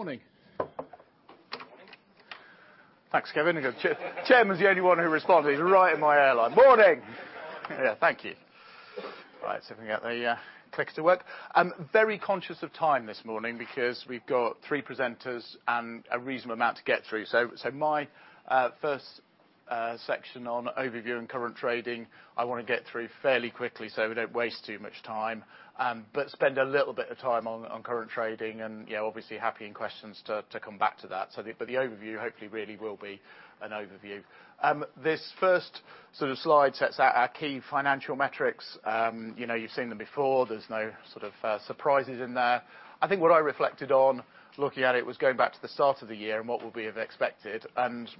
Morning. Morning. Thanks, Kevin. The chairman's the only one who responded. He's right in my aisle. Morning. Morning. Yeah, thank you. Right, see if we can get the clicker to work. I'm very conscious of time this morning because we've got three presenters and a reasonable amount to get through. My first section on overview and current trading, I want to get through fairly quickly so we don't waste too much time. Spend a little bit of time on current trading and, obviously, happy in questions to come back to that. The overview, hopefully, really will be an overview. This first slide sets out our key financial metrics. You've seen them before. There's no surprises in there. I think what I reflected on looking at it was going back to the start of the year and what we have expected.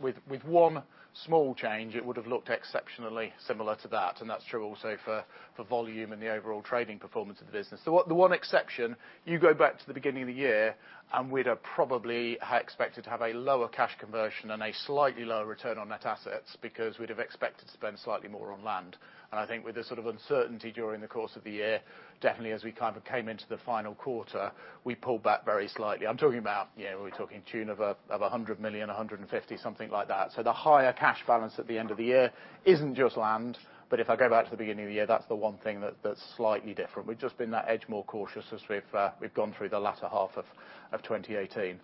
With one small change, it would've looked exceptionally similar to that. That's true also for volume and the overall trading performance of the business. The one exception, you go back to the beginning of the year, and we'd have probably expected to have a lower cash conversion and a slightly lower return on net assets because we'd have expected to spend slightly more on land. I think with the sort of uncertainty during the course of the year, definitely as we came into the final quarter, we pulled back very slightly. I'm talking about, we're talking to the tune of 100 million, 150, something like that. The higher cash balance at the end of the year isn't just land. If I go back to the beginning of the year, that's the one thing that's slightly different. We've just been that edge more cautious as we've gone through the latter half of 2018.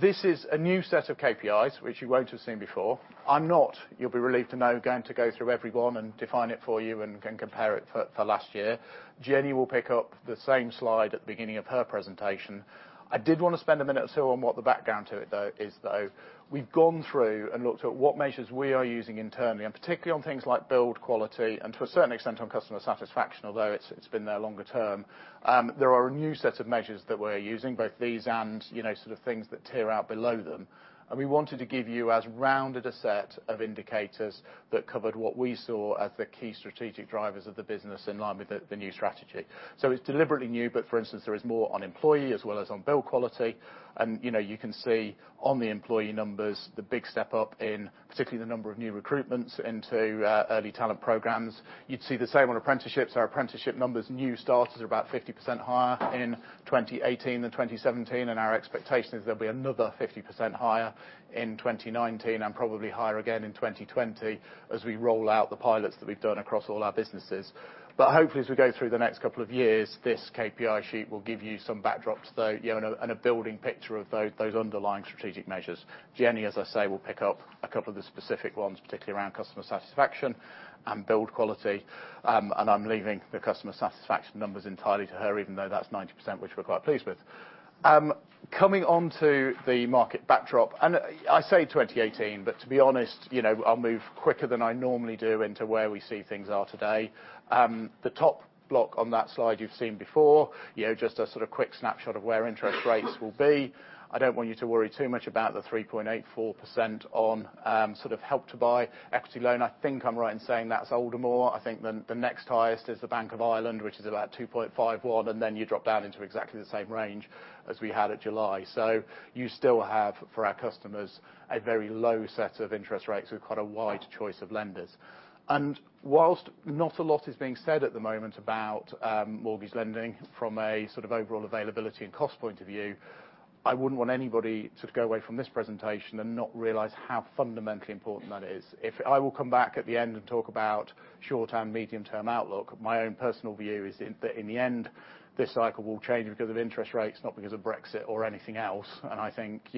This is a new set of KPIs, which you won't have seen before. I'm not, you'll be relieved to know, going to go through every one and define it for you and compare it for last year. Jennie will pick up the same slide at the beginning of her presentation. I did want to spend a minute or two on what the background to it is, though. We've gone through and looked at what measures we are using internally, and particularly on things like build quality and to a certain extent on customer satisfaction, although it's been there longer term. There are a new set of measures that we're using, both these and sort of things that tier out below them. We wanted to give you as rounded a set of indicators that covered what we saw as the key strategic drivers of the business in line with the new strategy. It's deliberately new, but for instance, there is more on employee as well as on build quality. You can see on the employee numbers the big step up in particularly the number of new recruitments into early talent programs. You'd see the same on apprenticeships. Our apprenticeship numbers, new starters are about 50% higher in 2018 than 2017, and our expectation is there'll be another 50% higher in 2019 and probably higher again in 2020 as we roll out the pilots that we've done across all our businesses. Hopefully as we go through the next couple of years, this KPI sheet will give you some backdrop and a building picture of those underlying strategic measures. Jennie, as I say, will pick up a couple of the specific ones, particularly around customer satisfaction and build quality. I'm leaving the customer satisfaction numbers entirely to her, even though that's 90%, which we're quite pleased with. Coming onto the market backdrop, I say 2018, but to be honest, I'll move quicker than I normally do into where we see things are today. The top block on that slide you've seen before. Just a sort of quick snapshot of where interest rates will be. I don't want you to worry too much about the 3.84% on Help to Buy equity loan. I think I'm right in saying that's Aldermore. I think the next highest is the Bank of Ireland, which is about 2.51%, then you drop down into exactly the same range as we had at July. You still have, for our customers, a very low set of interest rates with quite a wide choice of lenders. Whilst not a lot is being said at the moment about mortgage lending from a sort of overall availability and cost point of view, I wouldn't want anybody to go away from this presentation and not realize how fundamentally important that is. I will come back at the end and talk about short-term, medium-term outlook. My own personal view is that in the end, this cycle will change because of interest rates, not because of Brexit or anything else. I think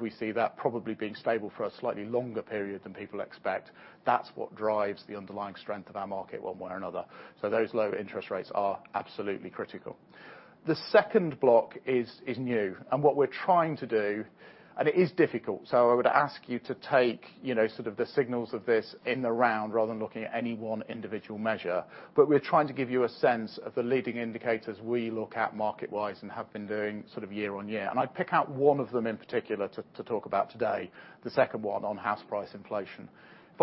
we see that probably being stable for a slightly longer period than people expect. That's what drives the underlying strength of our market one way or another. Those low interest rates are absolutely critical. The second block is new. What we're trying to do, it is difficult, so I would ask you to take the signals of this in the round rather than looking at any one individual measure. We're trying to give you a sense of the leading indicators we look at market-wise and have been doing year-on-year. I'd pick out one of them in particular to talk about today, the second one on house price inflation. If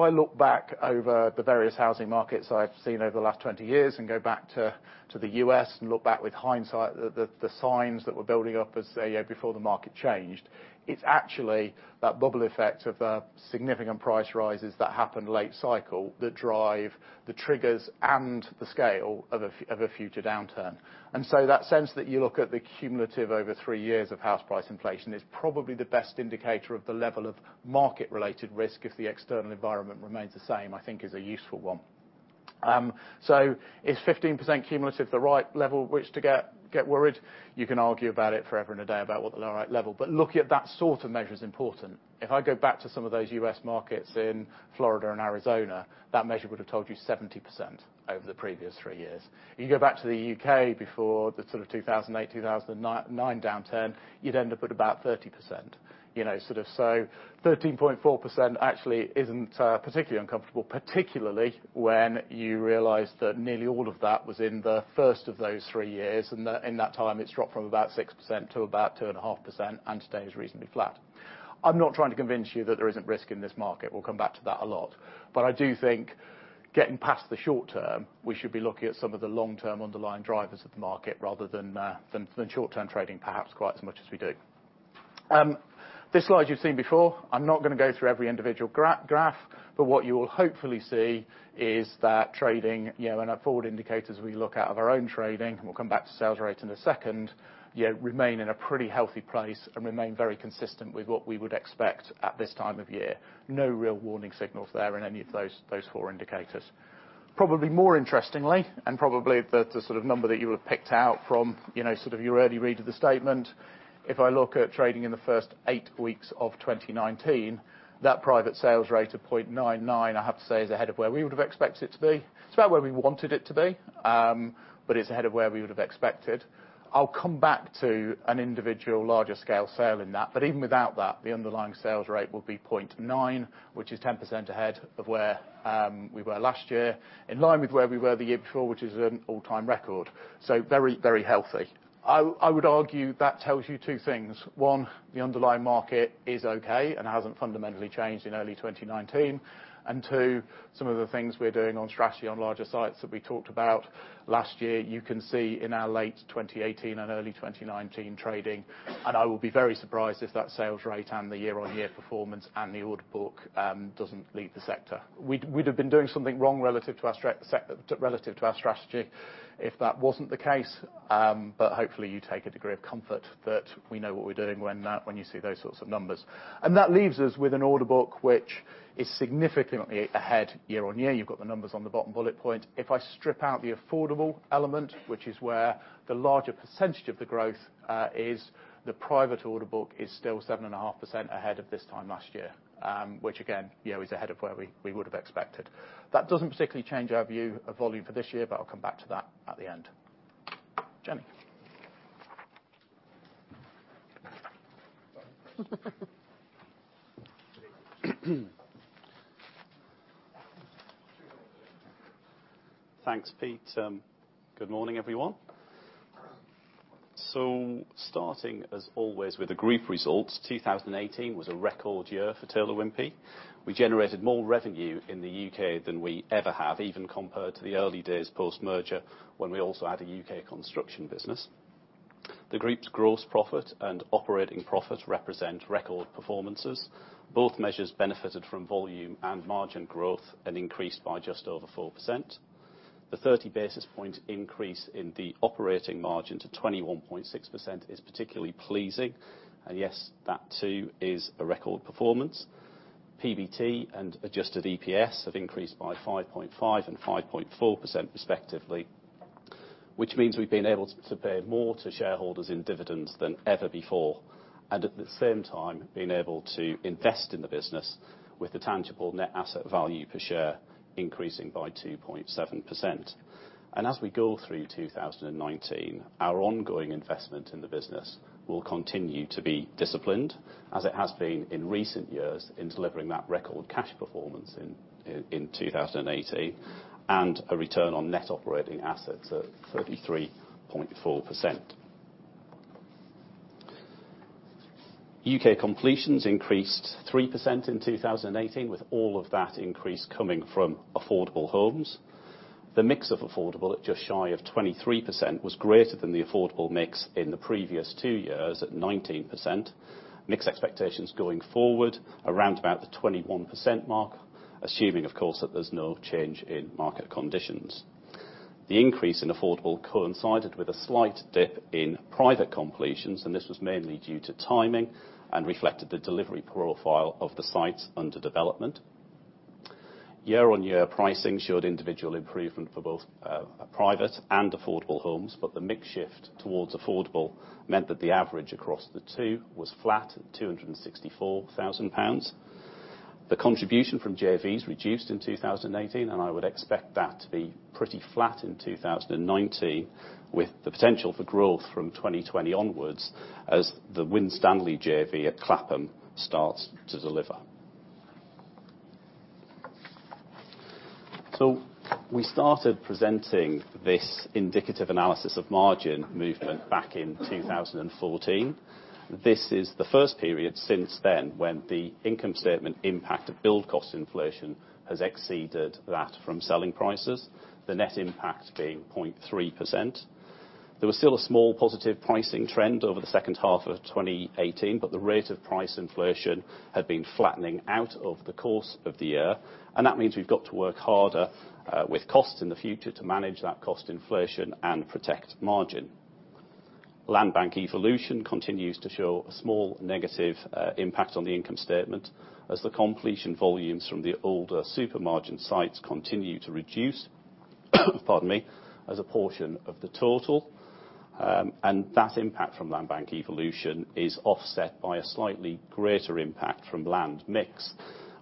I look back over the various housing markets I've seen over the last 20 years and go back to the U.S. and look back with hindsight, the signs that were building up as, say, before the market changed. It's actually that bubble effect of the significant price rises that happen late cycle that drive the triggers and the scale of a future downturn. That sense that you look at the cumulative over three years of house price inflation is probably the best indicator of the level of market-related risk if the external environment remains the same, I think is a useful one. Is 15% cumulative the right level which to get worried? You can argue about it forever and a day about what the right level. Looking at that sort of measure is important. If I go back to some of those U.S. markets in Florida and Arizona, that measure would have told you 70% over the previous three years. You go back to the U.K. before the 2008, 2009 downturn, you'd end up at about 30%. 13.4% actually isn't particularly uncomfortable, particularly when you realize that nearly all of that was in the first of those three years. In that time, it's dropped from about 6% to about 2.5%, and today is reasonably flat. I'm not trying to convince you that there isn't risk in this market. We'll come back to that a lot. I do think getting past the short term, we should be looking at some of the long-term underlying drivers of the market rather than short-term trading perhaps quite as much as we do. This slide you've seen before. I'm not going to go through every individual graph, but what you will hopefully see is that trading and our forward indicators we look at of our own trading, and we'll come back to sales rate in a second, remain in a pretty healthy place and remain very consistent with what we would expect at this time of year. No real warning signals there in any of those four indicators. Probably more interestingly, and probably the sort of number that you would have picked out from your early read of the statement, if I look at trading in the first eight weeks of 2019, that private sales rate of 0.99, I have to say, is ahead of where we would have expected it to be. It's about where we wanted it to be, but it's ahead of where we would have expected. I'll come back to an individual larger scale sale in that, but even without that, the underlying sales rate will be 0.9, which is 10% ahead of where we were last year, in line with where we were the year before, which is an all time record. Very healthy. I would argue that tells you two things. One, the underlying market is okay and hasn't fundamentally changed in early 2019. Two, some of the things we're doing on strategy on larger sites that we talked about last year, you can see in our late 2018 and early 2019 trading. I will be very surprised if that sales rate and the year-on-year performance and the order book doesn't lead the sector. We'd have been doing something wrong relative to our strategy if that wasn't the case. Hopefully you take a degree of comfort that we know what we're doing when you see those sorts of numbers. That leaves us with an order book which is significantly ahead year-on-year. You've got the numbers on the bottom bullet point. If I strip out the affordable element, which is where the larger percentage of the growth is, the private order book is still 7.5% ahead of this time last year. Again, is ahead of where we would have expected. That doesn't particularly change our view of volume for this year, I'll come back to that at the end. Jennie. Thanks, Pete. Good morning, everyone. Starting as always with the group results, 2018 was a record year for Taylor Wimpey. We generated more revenue in the U.K. than we ever have, even compared to the early days post-merger, when we also had a U.K. construction business. The group's gross profit and operating profit represent record performances. Both measures benefited from volume and margin growth and increased by just over 4%. The 30 basis point increase in the operating margin to 21.6% is particularly pleasing. Yes, that too is a record performance. PBT and adjusted EPS have increased by 5.5 and 5.4% respectively, which means we've been able to pay more to shareholders in dividends than ever before, and at the same time been able to invest in the business with the tangible net asset value per share increasing by 2.7%. As we go through 2019, our ongoing investment in the business will continue to be disciplined as it has been in recent years in delivering that record cash performance in 2018, and a return on net operating assets at 33.4%. U.K. completions increased 3% in 2018, with all of that increase coming from affordable homes. The mix of affordable at just shy of 23% was greater than the affordable mix in the previous two years at 19%. Mix expectations going forward around about the 21% mark, assuming, of course, that there's no change in market conditions. This was mainly due to timing and reflected the delivery profile of the sites under development. Year-on-year pricing showed individual improvement for both private and affordable homes, but the mix shift towards affordable meant that the average across the two was flat at 264,000 pounds. The contribution from JVs reduced in 2018, I would expect that to be pretty flat in 2019 with the potential for growth from 2020 onwards as the Winstanley JV at Clapham starts to deliver. We started presenting this indicative analysis of margin movement back in 2014. This is the first period since then when the income statement impact of build cost inflation has exceeded that from selling prices, the net impact being 0.3%. There was still a small positive pricing trend over the second half of 2018, but the rate of price inflation had been flattening out over the course of the year. That means we've got to work harder with costs in the future to manage that cost inflation and protect margin. Land bank evolution continues to show a small negative impact on the income statement, as the completion volumes from the older super margin sites continue to reduce, pardon me, as a portion of the total. That impact from land bank evolution is offset by a slightly greater impact from land mix,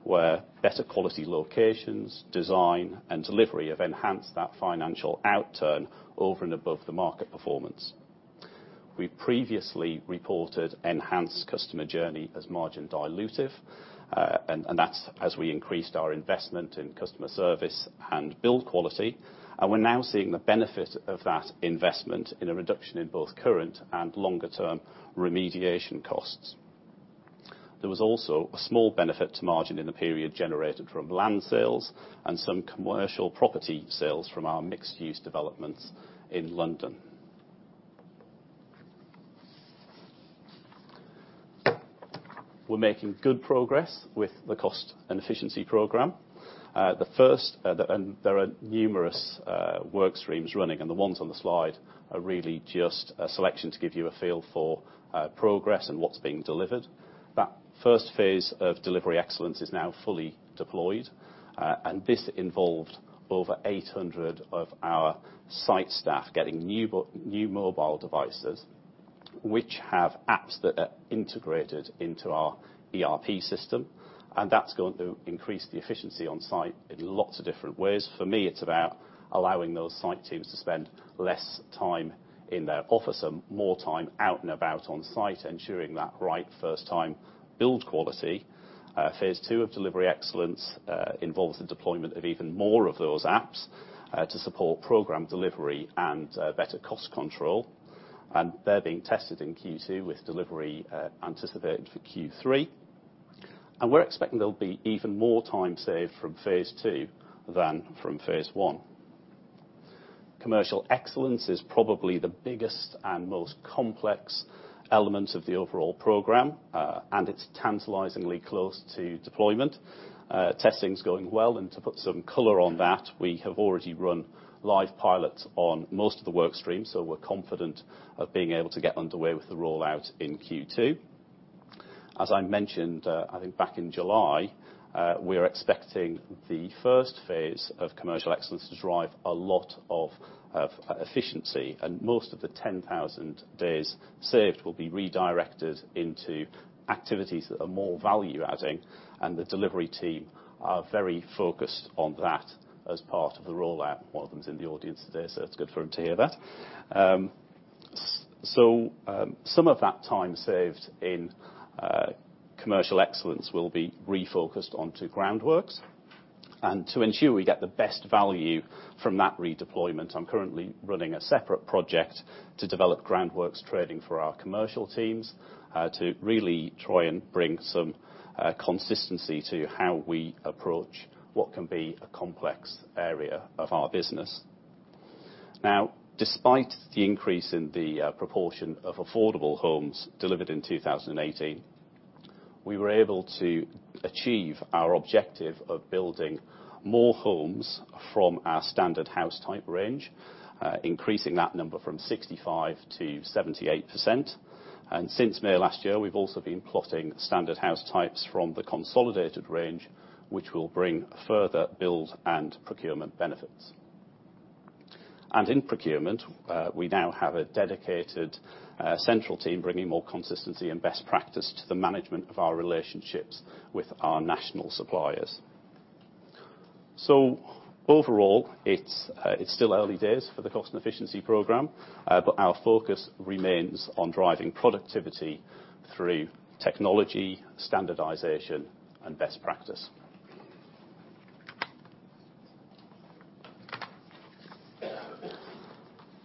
where better quality locations, design, and delivery have enhanced that financial outturn over and above the market performance. We previously reported enhanced customer journey as margin dilutive. That's as we increased our investment in customer service and build quality. We're now seeing the benefit of that investment in a reduction in both current and longer term remediation costs. There was also a small benefit to margin in the period generated from land sales and some commercial property sales from our mixed-use developments in London. We're making good progress with the cost and efficiency program. There are numerous work streams running, and the ones on the slide are really just a selection to give you a feel for progress and what's being delivered. That first phase of delivery excellence is now fully deployed. This involved over 800 of our site staff getting new mobile devices, which have apps that are integrated into our ERP system, and that's going to increase the efficiency on site in lots of different ways. For me, it's about allowing those site teams to spend less time in their office and more time out and about on site, ensuring that right first time build quality. Phase 2 of delivery excellence involves the deployment of even more of those apps, to support program delivery and better cost control. They're being tested in Q2 with delivery anticipated for Q3. We're expecting there'll be even more time saved from Phase 2 than from Phase 1. Commercial excellence is probably the biggest and most complex element of the overall program. It's tantalizingly close to deployment. Testing's going well. To put some color on that, we have already run live pilots on most of the work stream, so we're confident of being able to get underway with the rollout in Q2. As I mentioned, I think back in July, we're expecting the first phase of commercial excellence to drive a lot of efficiency. Most of the 10,000 days saved will be redirected into activities that are more value-adding, and the delivery team are very focused on that as part of the rollout. One of them is in the audience today, so it's good for him to hear that. Some of that time saved in commercial excellence will be refocused onto groundworks. To ensure we get the best value from that redeployment, I'm currently running a separate project to develop groundworks trading for our commercial teams, to really try and bring some consistency to how we approach what can be a complex area of our business. Despite the increase in the proportion of affordable homes delivered in 2018, we were able to achieve our objective of building more homes from our standard house type range, increasing that number from 65 to 78%. Since May last year, we've also been plotting standard house types from the consolidated range, which will bring further build and procurement benefits. In procurement, we now have a dedicated central team bringing more consistency and best practice to the management of our relationships with our national suppliers. Overall, it's still early days for the cost and efficiency program, but our focus remains on driving productivity through technology, standardization, and best practice.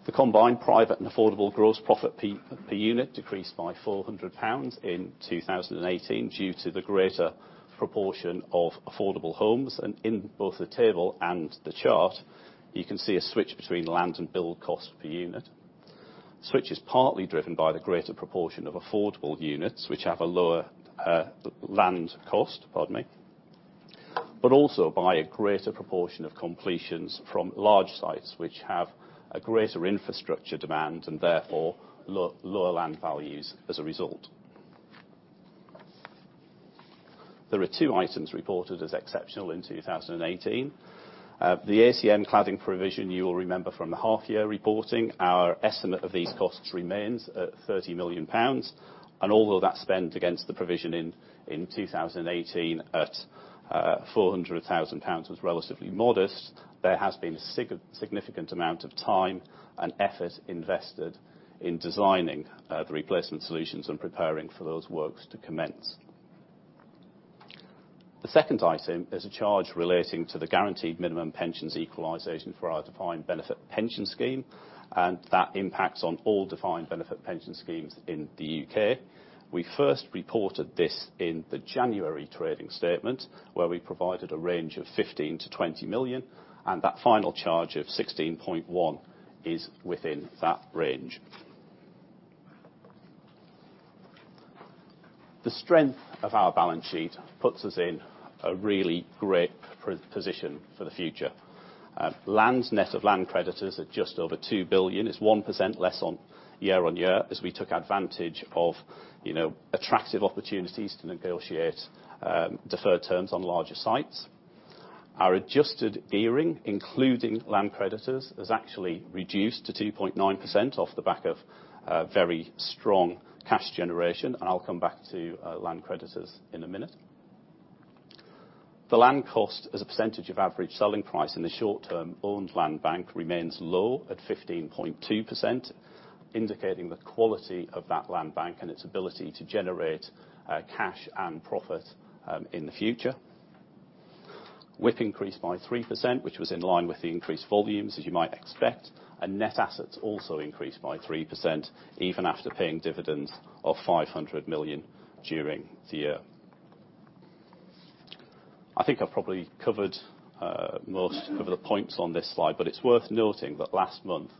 The combined private and affordable gross profit per unit decreased by 400 pounds in 2018 due to the greater proportion of affordable homes. In both the table and the chart, you can see a switch between land and build cost per unit. The switch is partly driven by the greater proportion of affordable units, which have a lower land cost, pardon me, but also by a greater proportion of completions from large sites, which have a greater infrastructure demand and therefore lower land values as a result. There are two items reported as exceptional in 2018. The ACM cladding provision, you will remember from the half year reporting. Our estimate of these costs remains at 30 million pounds. Although that spend against the provision in 2018 at 400,000 pounds was relatively modest, there has been a significant amount of time and effort invested in designing the replacement solutions and preparing for those works to commence. The second item is a charge relating to the guaranteed minimum pensions equalization for our defined benefit pension scheme, and that impacts on all defined benefit pension schemes in the U.K. We first reported this in the January trading statement, where we provided a range of 15 million to 20 million, and that final charge of 16.1 is within that range. The strength of our balance sheet puts us in a really great position for the future. Land net of land creditors at just over two billion is 1% less on year-on-year, as we took advantage of attractive opportunities to negotiate deferred terms on larger sites. Our adjusted gearing, including land creditors, has actually reduced to 2.9% off the back of very strong cash generation. I'll come back to land creditors in a minute. The land cost as a percentage of average selling price in the short-term owned land bank remains low at 15.2%, indicating the quality of that land bank and its ability to generate cash and profit in the future. WIP increased by 3%, which was in line with the increased volumes, as you might expect. Net assets also increased by 3%, even after paying dividends of 500 million during the year. I think I've probably covered most of the points on this slide, but it's worth noting that last month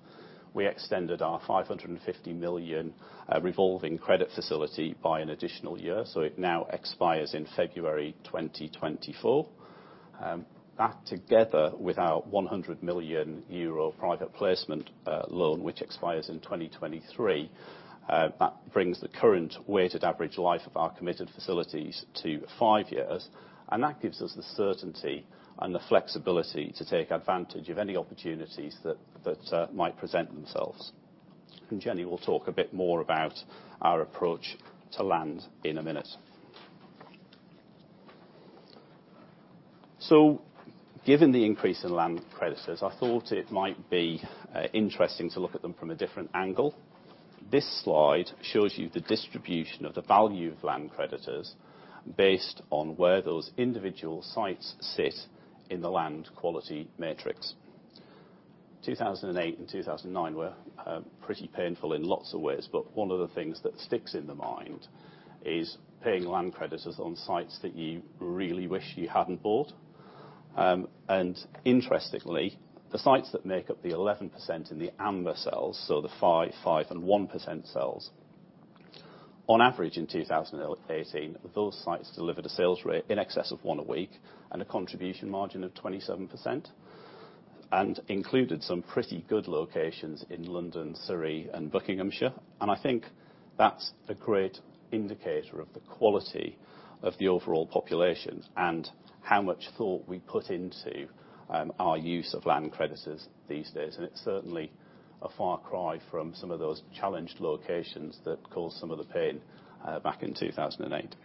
we extended our 550 million revolving credit facility by an additional year. It now expires in February 2024. That together with our 100 million euro private placement loan, which expires in 2023, that brings the current weighted average life of our committed facilities to five years. That gives us the certainty and the flexibility to take advantage of any opportunities that might present themselves. Jennie will talk a bit more about our approach to land in a minute. Given the increase in land creditors, I thought it might be interesting to look at them from a different angle. This slide shows you the distribution of the value of land creditors based on where those individual sites sit in the land quality matrix. 2008 and 2009 were pretty painful in lots of ways, but one of the things that sticks in the mind is paying land creditors on sites that you really wish you hadn't bought. Interestingly, the sites that make up the 11% in the amber cells, so the 5% and 1% cells. On average in 2018, those sites delivered a sales rate in excess of one a week and a contribution margin of 27%, and included some pretty good locations in London, Surrey, and Buckinghamshire. I think that's a great indicator of the quality of the overall population and how much thought we put into our use of land creditors these days. It's certainly a far cry from some of those challenged locations that caused some of the pain back in 2008.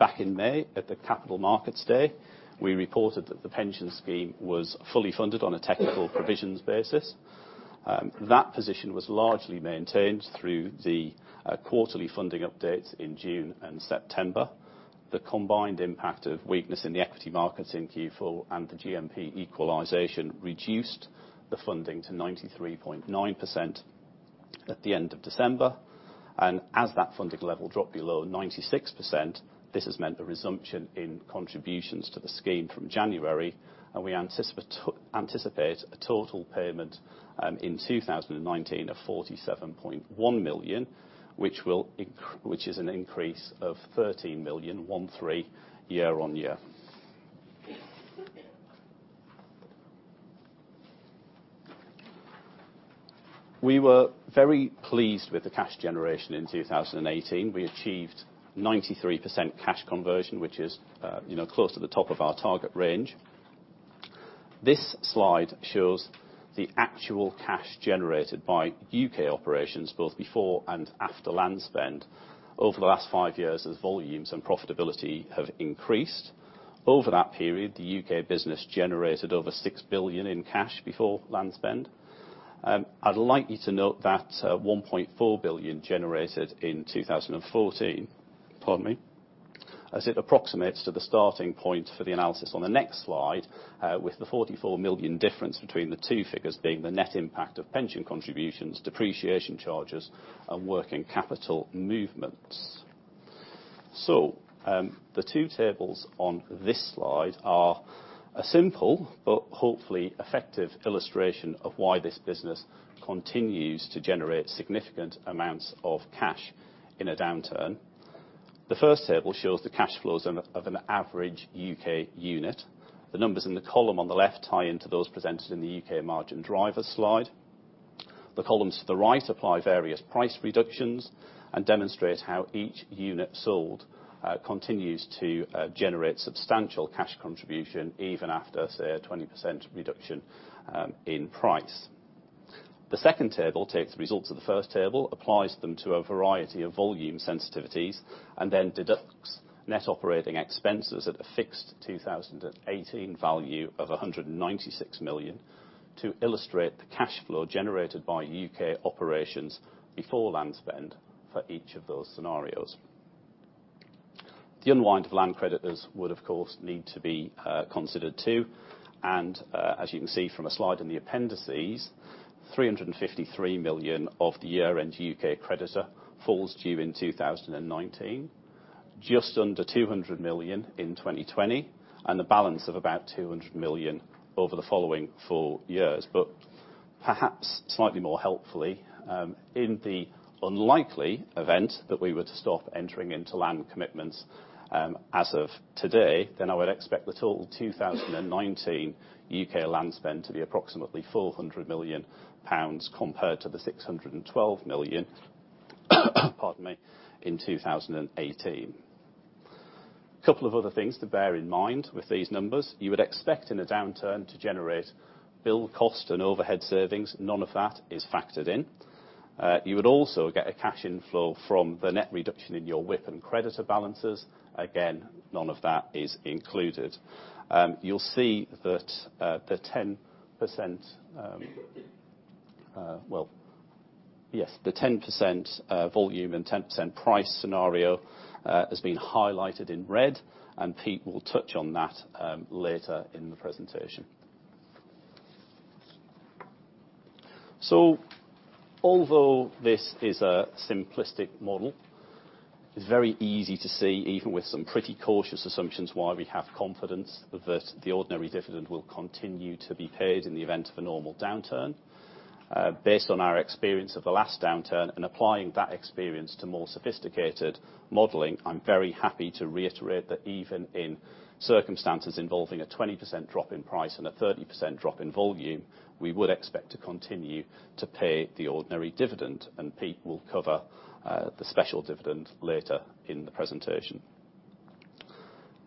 Back in May at the Capital Markets Day, we reported that the pension scheme was fully funded on a technical provisions basis. That position was largely maintained through the quarterly funding updates in June and September. The combined impact of weakness in the equity markets in Q4 and the GMP equalization reduced the funding to 93.9% at the end of December. As that funding level dropped below 96%, this has meant a resumption in contributions to the scheme from January. We anticipate a total payment in 2019 of 47.1 million, which is an increase of 13 million year-on-year. We were very pleased with the cash generation in 2018. We achieved 93% cash conversion, which is close to the top of our target range. This slide shows the actual cash generated by U.K. operations both before and after land spend, over the last five years as volumes and profitability have increased. Over that period, the U.K. business generated over 6 billion in cash before land spend. I'd like you to note that 1.4 billion generated in 2014. Pardon me. As it approximates to the starting point for the analysis on the next slide, with the 44 million difference between the two figures being the net impact of pension contributions, depreciation charges, and working capital movements. The two tables on this slide are a simple but hopefully effective illustration of why this business continues to generate significant amounts of cash in a downturn. The first table shows the cash flows of an average U.K. unit. The numbers in the column on the left tie into those presented in the U.K. margin driver slide. The columns to the right apply various price reductions and demonstrate how each unit sold continues to generate substantial cash contribution, even after, say, a 20% reduction in price. The second table takes the results of the first table, applies them to a variety of volume sensitivities, then deducts net operating expenses at a fixed 2018 value of 196 million to illustrate the cash flow generated by U.K. operations before land spend for each of those scenarios. The unwind of land creditors would, of course, need to be considered, too. As you can see from a slide in the appendices, 353 million of the year-end U.K. creditor falls due in 2019, just under 200 million in 2020, and the balance of about 200 million over the following four years. Perhaps slightly more helpfully, in the unlikely event that we were to stop entering into land commitments as of today, then I would expect the total 2019 U.K. land spend to be approximately 400 million pounds compared to the 612 million, pardon me, in 2018. Couple of other things to bear in mind with these numbers. You would expect in a downturn to generate build cost and overhead savings. None of that is factored in. You would also get a cash inflow from the net reduction in your WIP and creditor balances. Again, none of that is included. You will see that the 10% volume and 10% price scenario has been highlighted in red, and Pete will touch on that later in the presentation. Although this is a simplistic model, it is very easy to see, even with some pretty cautious assumptions, why we have confidence that the ordinary dividend will continue to be paid in the event of a normal downturn. Based on our experience of the last downturn and applying that experience to more sophisticated modeling, I'm very happy to reiterate that even in circumstances involving a 20% drop in price and a 30% drop in volume, we would expect to continue to pay the ordinary dividend, and Pete will cover the special dividend later in the presentation.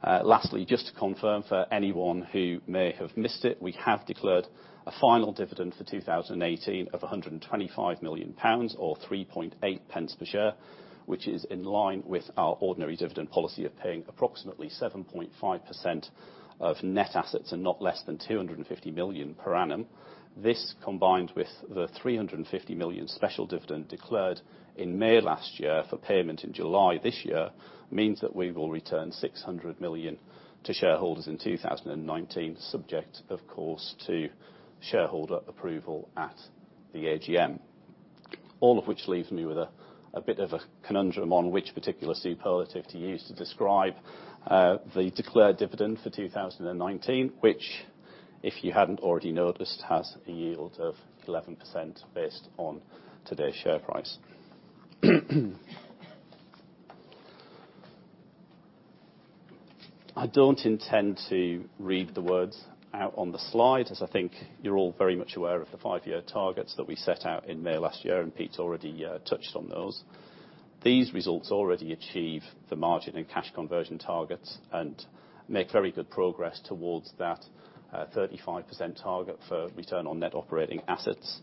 Lastly, just to confirm for anyone who may have missed it, we have declared a final dividend for 2018 of 125 million pounds or 0.038 per share, which is in line with our ordinary dividend policy of paying approximately 7.5% of net assets and not less than 250 million per annum. This, combined with the 350 million special dividend declared in May of last year for payment in July this year, means that we will return 600 million to shareholders in 2019, subject, of course, to shareholder approval at the AGM. All of which leaves me with a bit of a conundrum on which particular superlative to use to describe the declared dividend for 2019, which, if you hadn't already noticed, has a yield of 11% based on today's share price. I don't intend to read the words out on the slide, as I think you're all very much aware of the five-year targets that we set out in May of last year, and Pete's already touched on those. These results already achieve the margin and cash conversion targets and make very good progress towards that 35% target for return on net operating assets.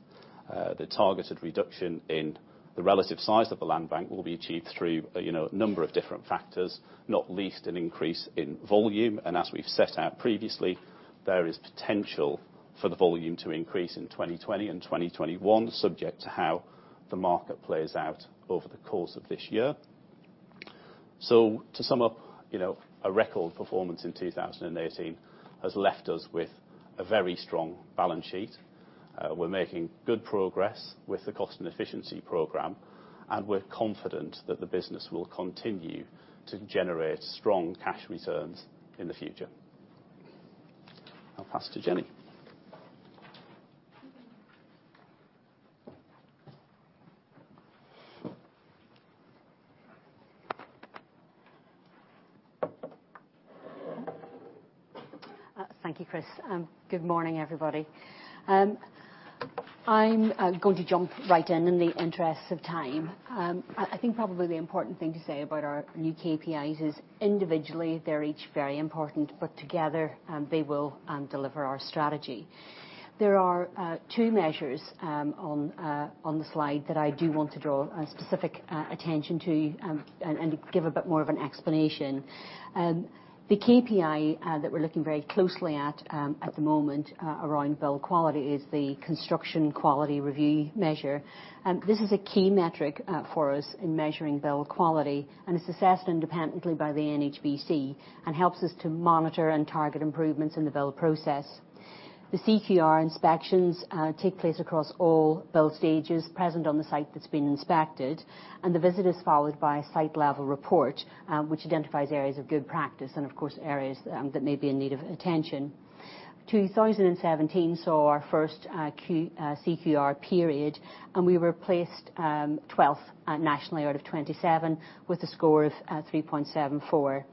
The targeted reduction in the relative size of the land bank will be achieved through a number of different factors, not least an increase in volume. As we've set out previously, there is potential for the volume to increase in 2020 and 2021, subject to how the market plays out over the course of this year. To sum up, a record performance in 2018 has left us with a very strong balance sheet. We're making good progress with the cost and efficiency program, and we're confident that the business will continue to generate strong cash returns in the future. I'll pass to Jennie. Thank you, Chris. Good morning, everybody. I'm going to jump right in the interests of time. I think probably the important thing to say about our new KPIs is individually, they're each very important, but together, they will deliver our strategy. There are two measures on the slide that I do want to draw specific attention to and give a bit more of an explanation. The KPI that we're looking very closely at at the moment around build quality is the construction quality review measure. This is a key metric for us in measuring build quality, and it's assessed independently by the NHBC and helps us to monitor and target improvements in the build process. The CQR inspections take place across all build stages present on the site that's been inspected, the visit is followed by a site-level report, which identifies areas of good practice and, of course, areas that may be in need of attention. 2017 saw our first CQR period, and we were placed 12th nationally out of 27 with a score of 3.74.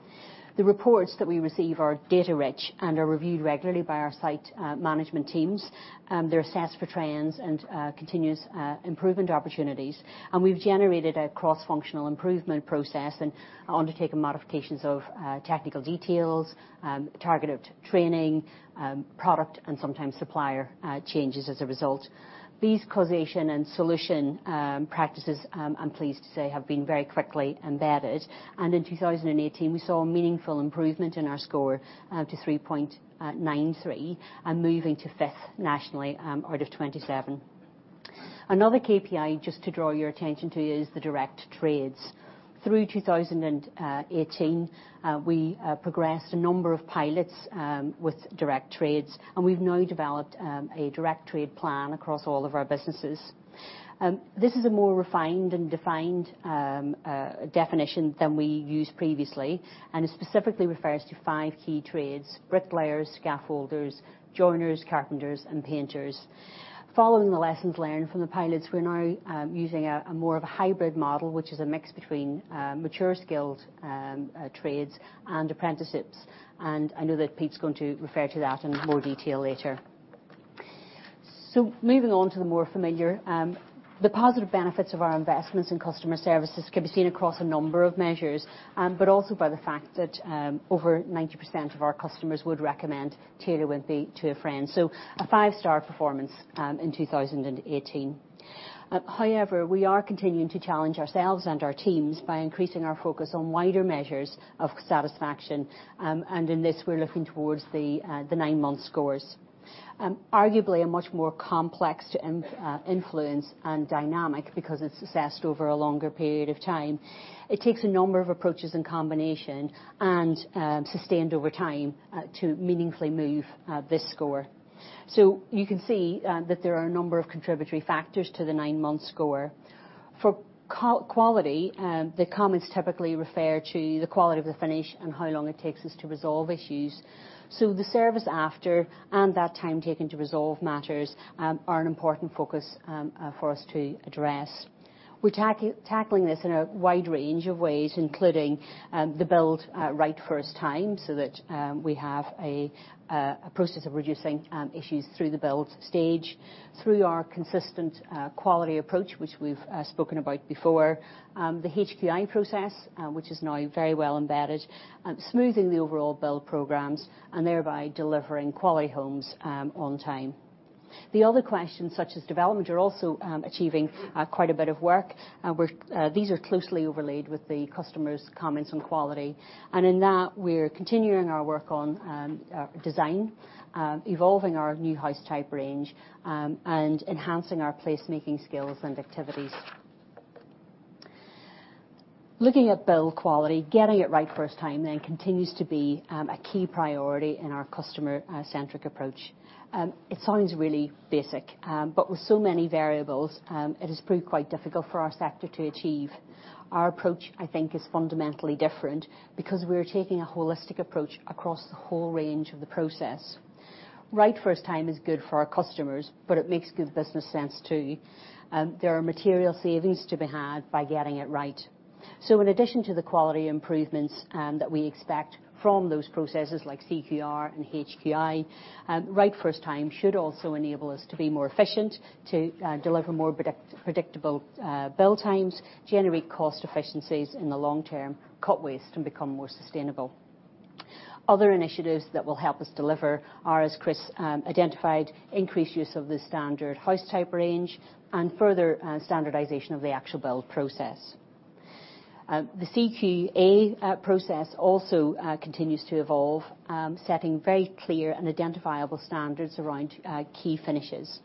The reports that we receive are data rich and are reviewed regularly by our site management teams. They're assessed for trends and continuous improvement opportunities. We've generated a cross-functional improvement process and undertaken modifications of technical details, targeted training, product, and sometimes supplier changes as a result. These causation and solution practices, I'm pleased to say, have been very quickly embedded, and in 2018, we saw a meaningful improvement in our score to 3.93 and moving to fifth nationally out of 27. Another KPI just to draw your attention to is the direct trades. Through 2018, we progressed a number of pilots with direct trades. We've now developed a direct trade plan across all of our businesses. This is a more refined and defined definition than we used previously. It specifically refers to five key trades, bricklayers, scaffolders, joiners, carpenters, and painters. Following the lessons learned from the pilots, we're now using more of a hybrid model, which is a mix between mature skilled trades and apprenticeships. I know that Pete's going to refer to that in more detail later. Moving on to the more familiar. The positive benefits of our investments in customer services can be seen across a number of measures, but also by the fact that over 90% of our customers would recommend Taylor Wimpey to a friend. A five-star performance in 2018. However, we are continuing to challenge ourselves and our teams by increasing our focus on wider measures of satisfaction. In this, we're looking towards the nine-month scores. Arguably, a much more complex influence and dynamic because it's assessed over a longer period of time. It takes a number of approaches in combination and sustained over time to meaningfully move this score. You can see that there are a number of contributory factors to the nine-month score. For quality, the comments typically refer to the quality of the finish and how long it takes us to resolve issues. The service after, and that time taken to resolve matters, are an important focus for us to address. We're tackling this in a wide range of ways, including the build right first time, so that we have a process of reducing issues through the build stage, through our consistent quality approach, which we've spoken about before, the HQI process, which is now very well embedded, smoothing the overall build programs, and thereby delivering quality homes on time. The other questions, such as development, are also achieving quite a bit of work. These are closely overlaid with the customers' comments on quality. In that, we're continuing our work on design, evolving our new house type range, and enhancing our placemaking skills and activities. Looking at build quality, getting it right first time then continues to be a key priority in our customer-centric approach. It sounds really basic, but with so many variables, it has proved quite difficult for our sector to achieve. Our approach, I think, is fundamentally different because we are taking a holistic approach across the whole range of the process. Right first time is good for our customers, but it makes good business sense too. There are material savings to be had by getting it right. In addition to the quality improvements that we expect from those processes like CQR and HQI, right first time should also enable us to be more efficient, to deliver more predictable build times, generate cost efficiencies in the long term, cut waste, and become more sustainable. Other initiatives that will help us deliver are, as Chris identified, increased use of the standard house type range and further standardization of the actual build process. The CQA process also continues to evolve, setting very clear and identifiable standards around key finishes.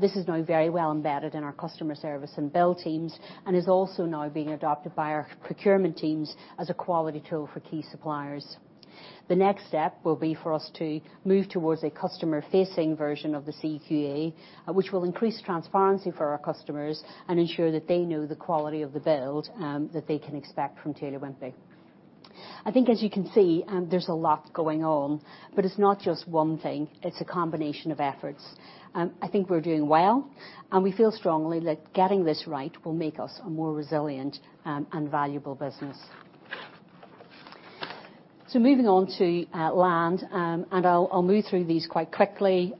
This is now very well embedded in our customer service and build teams and is also now being adopted by our procurement teams as a quality tool for key suppliers. The next step will be for us to move towards a customer-facing version of the CQA, which will increase transparency for our customers and ensure that they know the quality of the build that they can expect from Taylor Wimpey. I think, as you can see, there's a lot going on, but it's not just one thing, it's a combination of efforts. I think we're doing well, and we feel strongly that getting this right will make us a more resilient and valuable business. Moving on to land, and I'll move through these quite quickly.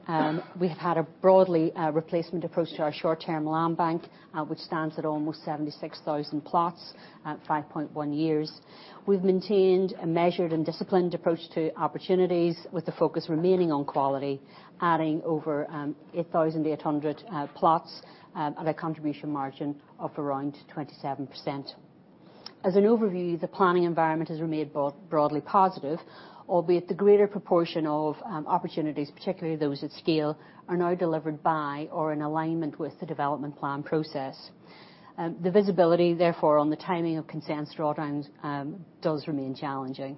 We have had a broadly replacement approach to our short-term land bank, which stands at almost 76,000 plots at 5.1 years. We've maintained a measured and disciplined approach to opportunities with the focus remaining on quality, adding over 8,800 plots at a contribution margin of around 27%. The planning environment has remained broadly positive, albeit the greater proportion of opportunities, particularly those at scale, are now delivered by or in alignment with the development plan process. The visibility, therefore, on the timing of consent drawdowns does remain challenging.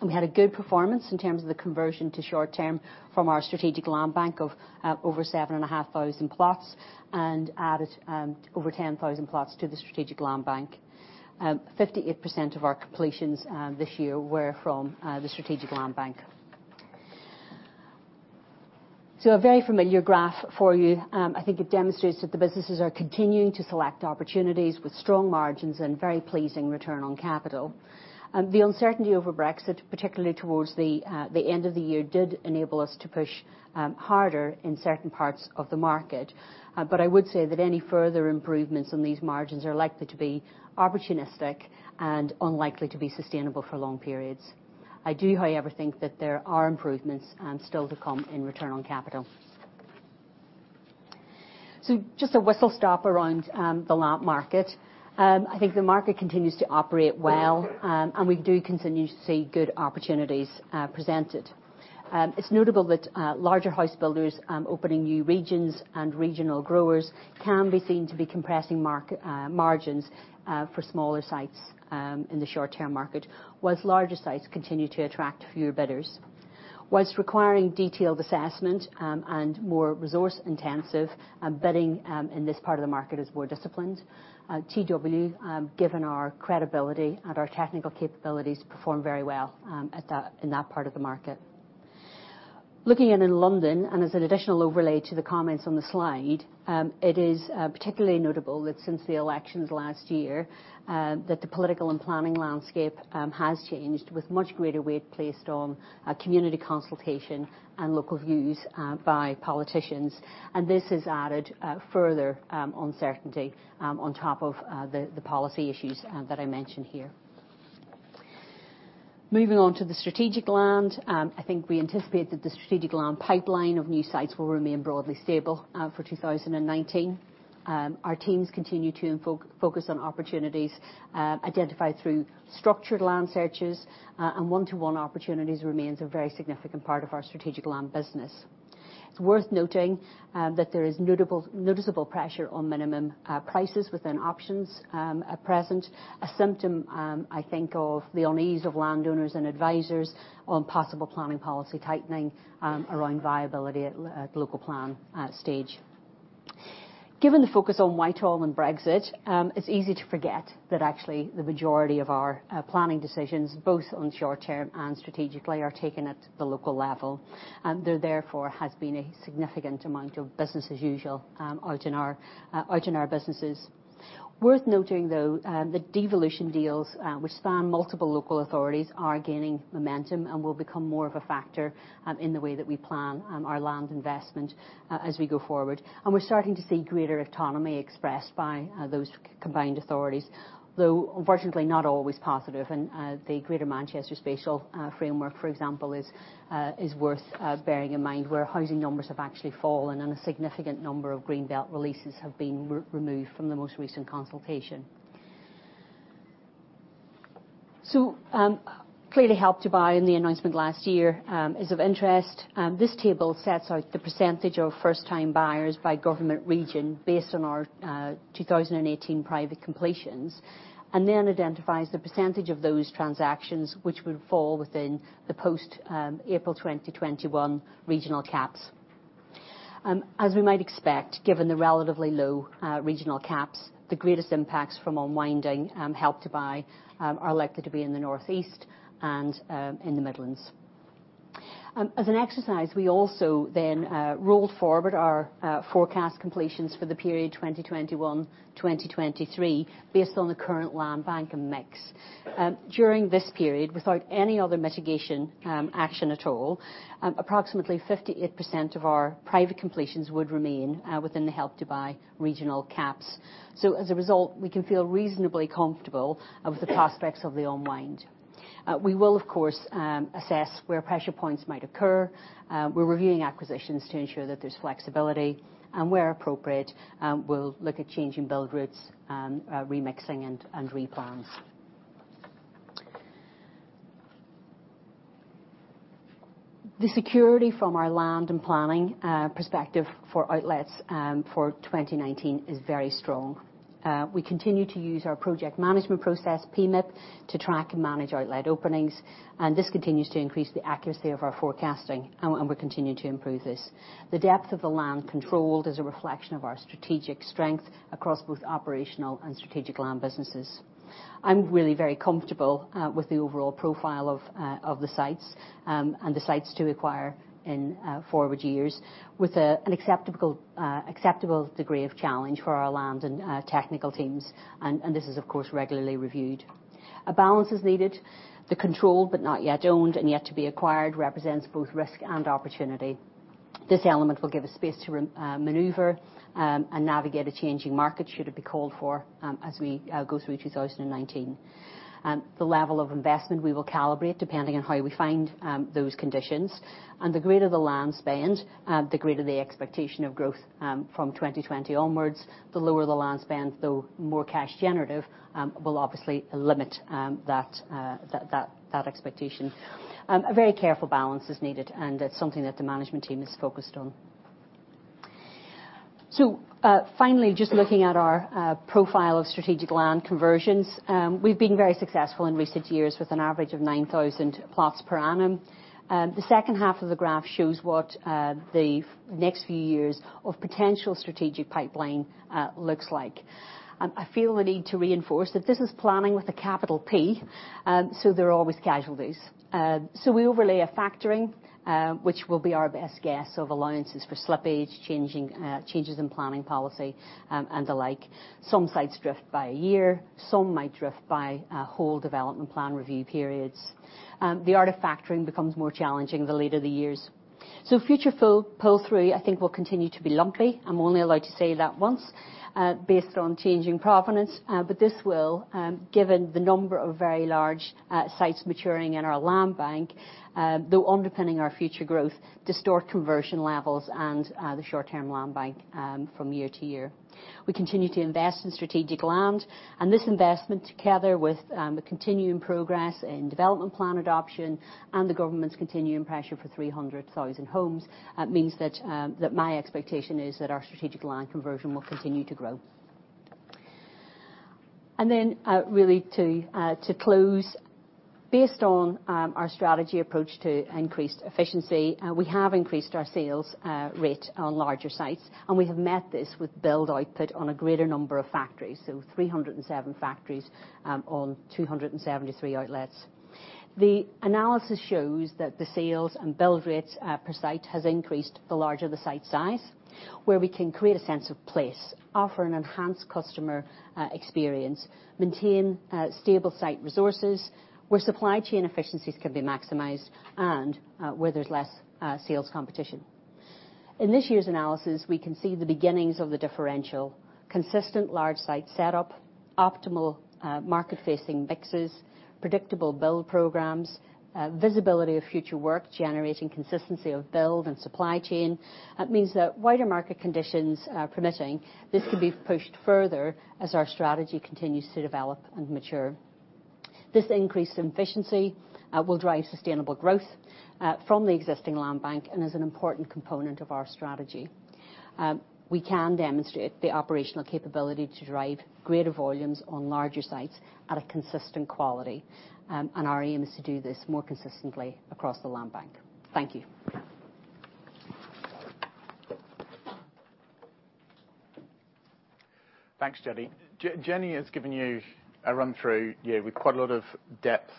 We had a good performance in terms of the conversion to short term from our strategic land bank of over 7,500 plots and added over 10,000 plots to the strategic land bank. 58% of our completions this year were from the strategic land bank. A very familiar graph for you. I think it demonstrates that the businesses are continuing to select opportunities with strong margins and very pleasing return on capital. The uncertainty over Brexit, particularly towards the end of the year, did enable us to push harder in certain parts of the market. I would say that any further improvements on these margins are likely to be opportunistic and unlikely to be sustainable for long periods. I do, however, think that there are improvements still to come in return on capital. Just a whistle stop around the land market. I think the market continues to operate well, and we do continue to see good opportunities presented. It's notable that larger house builders opening new regions and regional growers can be seen to be compressing margins for smaller sites in the short-term market, whilst larger sites continue to attract fewer bidders. Whilst requiring detailed assessment and more resource intensive bidding in this part of the market is more disciplined, TW, given our credibility and our technical capabilities, perform very well in that part of the market. Looking in in London, and as an additional overlay to the comments on the slide, it is particularly notable that since the elections last year, that the political and planning landscape has changed with much greater weight placed on community consultation and local views by politicians. This has added further uncertainty on top of the policy issues that I mentioned here. Moving on to the strategic land, I think we anticipate that the strategic land pipeline of new sites will remain broadly stable for 2019. Our teams continue to focus on opportunities identified through structured land searches, and one-to-one opportunities remains a very significant part of our strategic land business. It's worth noting that there is noticeable pressure on minimum prices within options at present. A symptom, I think, of the unease of landowners and advisors on possible planning policy tightening around viability at local plan stage. Given the focus on Whitehall and Brexit, it's easy to forget that actually the majority of our planning decisions, both on short-term and strategically, are taken at the local level. There therefore has been a significant amount of business as usual out in our businesses. Worth noting, though, the devolution deals which span multiple local authorities are gaining momentum and will become more of a factor in the way that we plan our land investment as we go forward. We're starting to see greater autonomy expressed by those combined authorities, though unfortunately not always positive. The Greater Manchester Spatial Framework, for example, is worth bearing in mind, where housing numbers have actually fallen and a significant number of green belt releases have been removed from the most recent consultation. Clearly Help to Buy, and the announcement last year is of interest. This table sets out the percentage of first-time buyers by government region based on our 2018 private completions, and then identifies the percentage of those transactions which would fall within the post-April 2021 regional caps. As we might expect, given the relatively low regional caps, the greatest impacts from unwinding Help to Buy are elected to be in the Northeast and in the Midlands. As an exercise, we also then rolled forward our forecast completions for the period 2021, 2023 based on the current land bank and mix. During this period, without any other mitigation action at all, approximately 58% of our private completions would remain within the Help to Buy regional caps. As a result, we can feel reasonably comfortable of the prospects of the unwind. We will, of course, assess where pressure points might occur. We're reviewing acquisitions to ensure that there's flexibility, and where appropriate, we'll look at changing build routes and remixing and replans. The security from our land and planning perspective for outlets for 2019 is very strong. We continue to use our project management process, PMIP, to track and manage outlet openings, and this continues to increase the accuracy of our forecasting, and we continue to improve this. The depth of the land controlled is a reflection of our strategic strength across both operational and strategic land businesses. I'm really very comfortable with the overall profile of the sites, and the sites to acquire in forward years with an acceptable degree of challenge for our land and technical teams. This is, of course, regularly reviewed. A balance is needed. The controlled but not yet owned and yet to be acquired represents both risk and opportunity. This element will give us space to maneuver and navigate a changing market, should it be called for as we go through 2019. The level of investment we will calibrate depending on how we find those conditions. The greater the land spend, the greater the expectation of growth from 2020 onwards. The lower the land spend, though more cash generative, will obviously limit that expectation. A very careful balance is needed, and it's something that the management team is focused on. Finally, just looking at our profile of strategic land conversions. We've been very successful in recent years with an average of 9,000 plots per annum. The second half of the graph shows what the next few years of potential strategic pipeline looks like. I feel the need to reinforce that this is planning with a capital P, so there are always casualties. We overlay a factoring, which will be our best guess of allowances for slippage, changes in planning policy and the like. Some sites drift by a year, some might drift by whole development plan review periods. The art of factoring becomes more challenging the later the years. Future pull-through, I think, will continue to be lumpy, I'm only allowed to say that once, based on changing provenance. This will, given the number of very large sites maturing in our land bank, though underpinning our future growth, distort conversion levels and the short-term land bank from year to year. We continue to invest in strategic land, and this investment, together with the continuing progress in development plan adoption and the government's continuing pressure for 300,000 homes, means that my expectation is that our strategic land conversion will continue to grow. Really to close, based on our strategy approach to increased efficiency, we have increased our sales rate on larger sites, and we have met this with build output on a greater number of factories. 307 factories on 273 outlets. The analysis shows that the sales and build rates per site has increased the larger the site size, where we can create a sense of place, offer an enhanced customer experience, maintain stable site resources, where supply chain efficiencies can be maximized, and where there's less sales competition. In this year's analysis, we can see the beginnings of the differential. Consistent large site setup, optimal market-facing mixes, predictable build programs, visibility of future work generating consistency of build and supply chain. Means that wider market conditions permitting, this could be pushed further as our strategy continues to develop and mature. This increase in efficiency will drive sustainable growth from the existing land bank and is an important component of our strategy. We can demonstrate the operational capability to drive greater volumes on larger sites at a consistent quality, our aim is to do this more consistently across the land bank. Thank you. Thanks, Jennie. Jennie has given you a run through with quite a lot of depth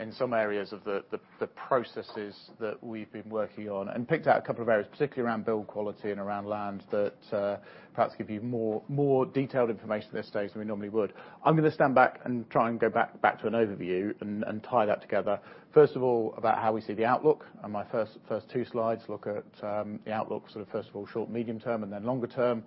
in some areas of the processes that we've been working on, and picked out a couple of areas, particularly around build quality and around land, that perhaps give you more detailed information at this stage than we normally would. I'm going to stand back and try and go back to an overview and tie that together. First of all, about how we see the outlook, and my first two slides look at the outlook, first of all, short, medium term, and then longer term.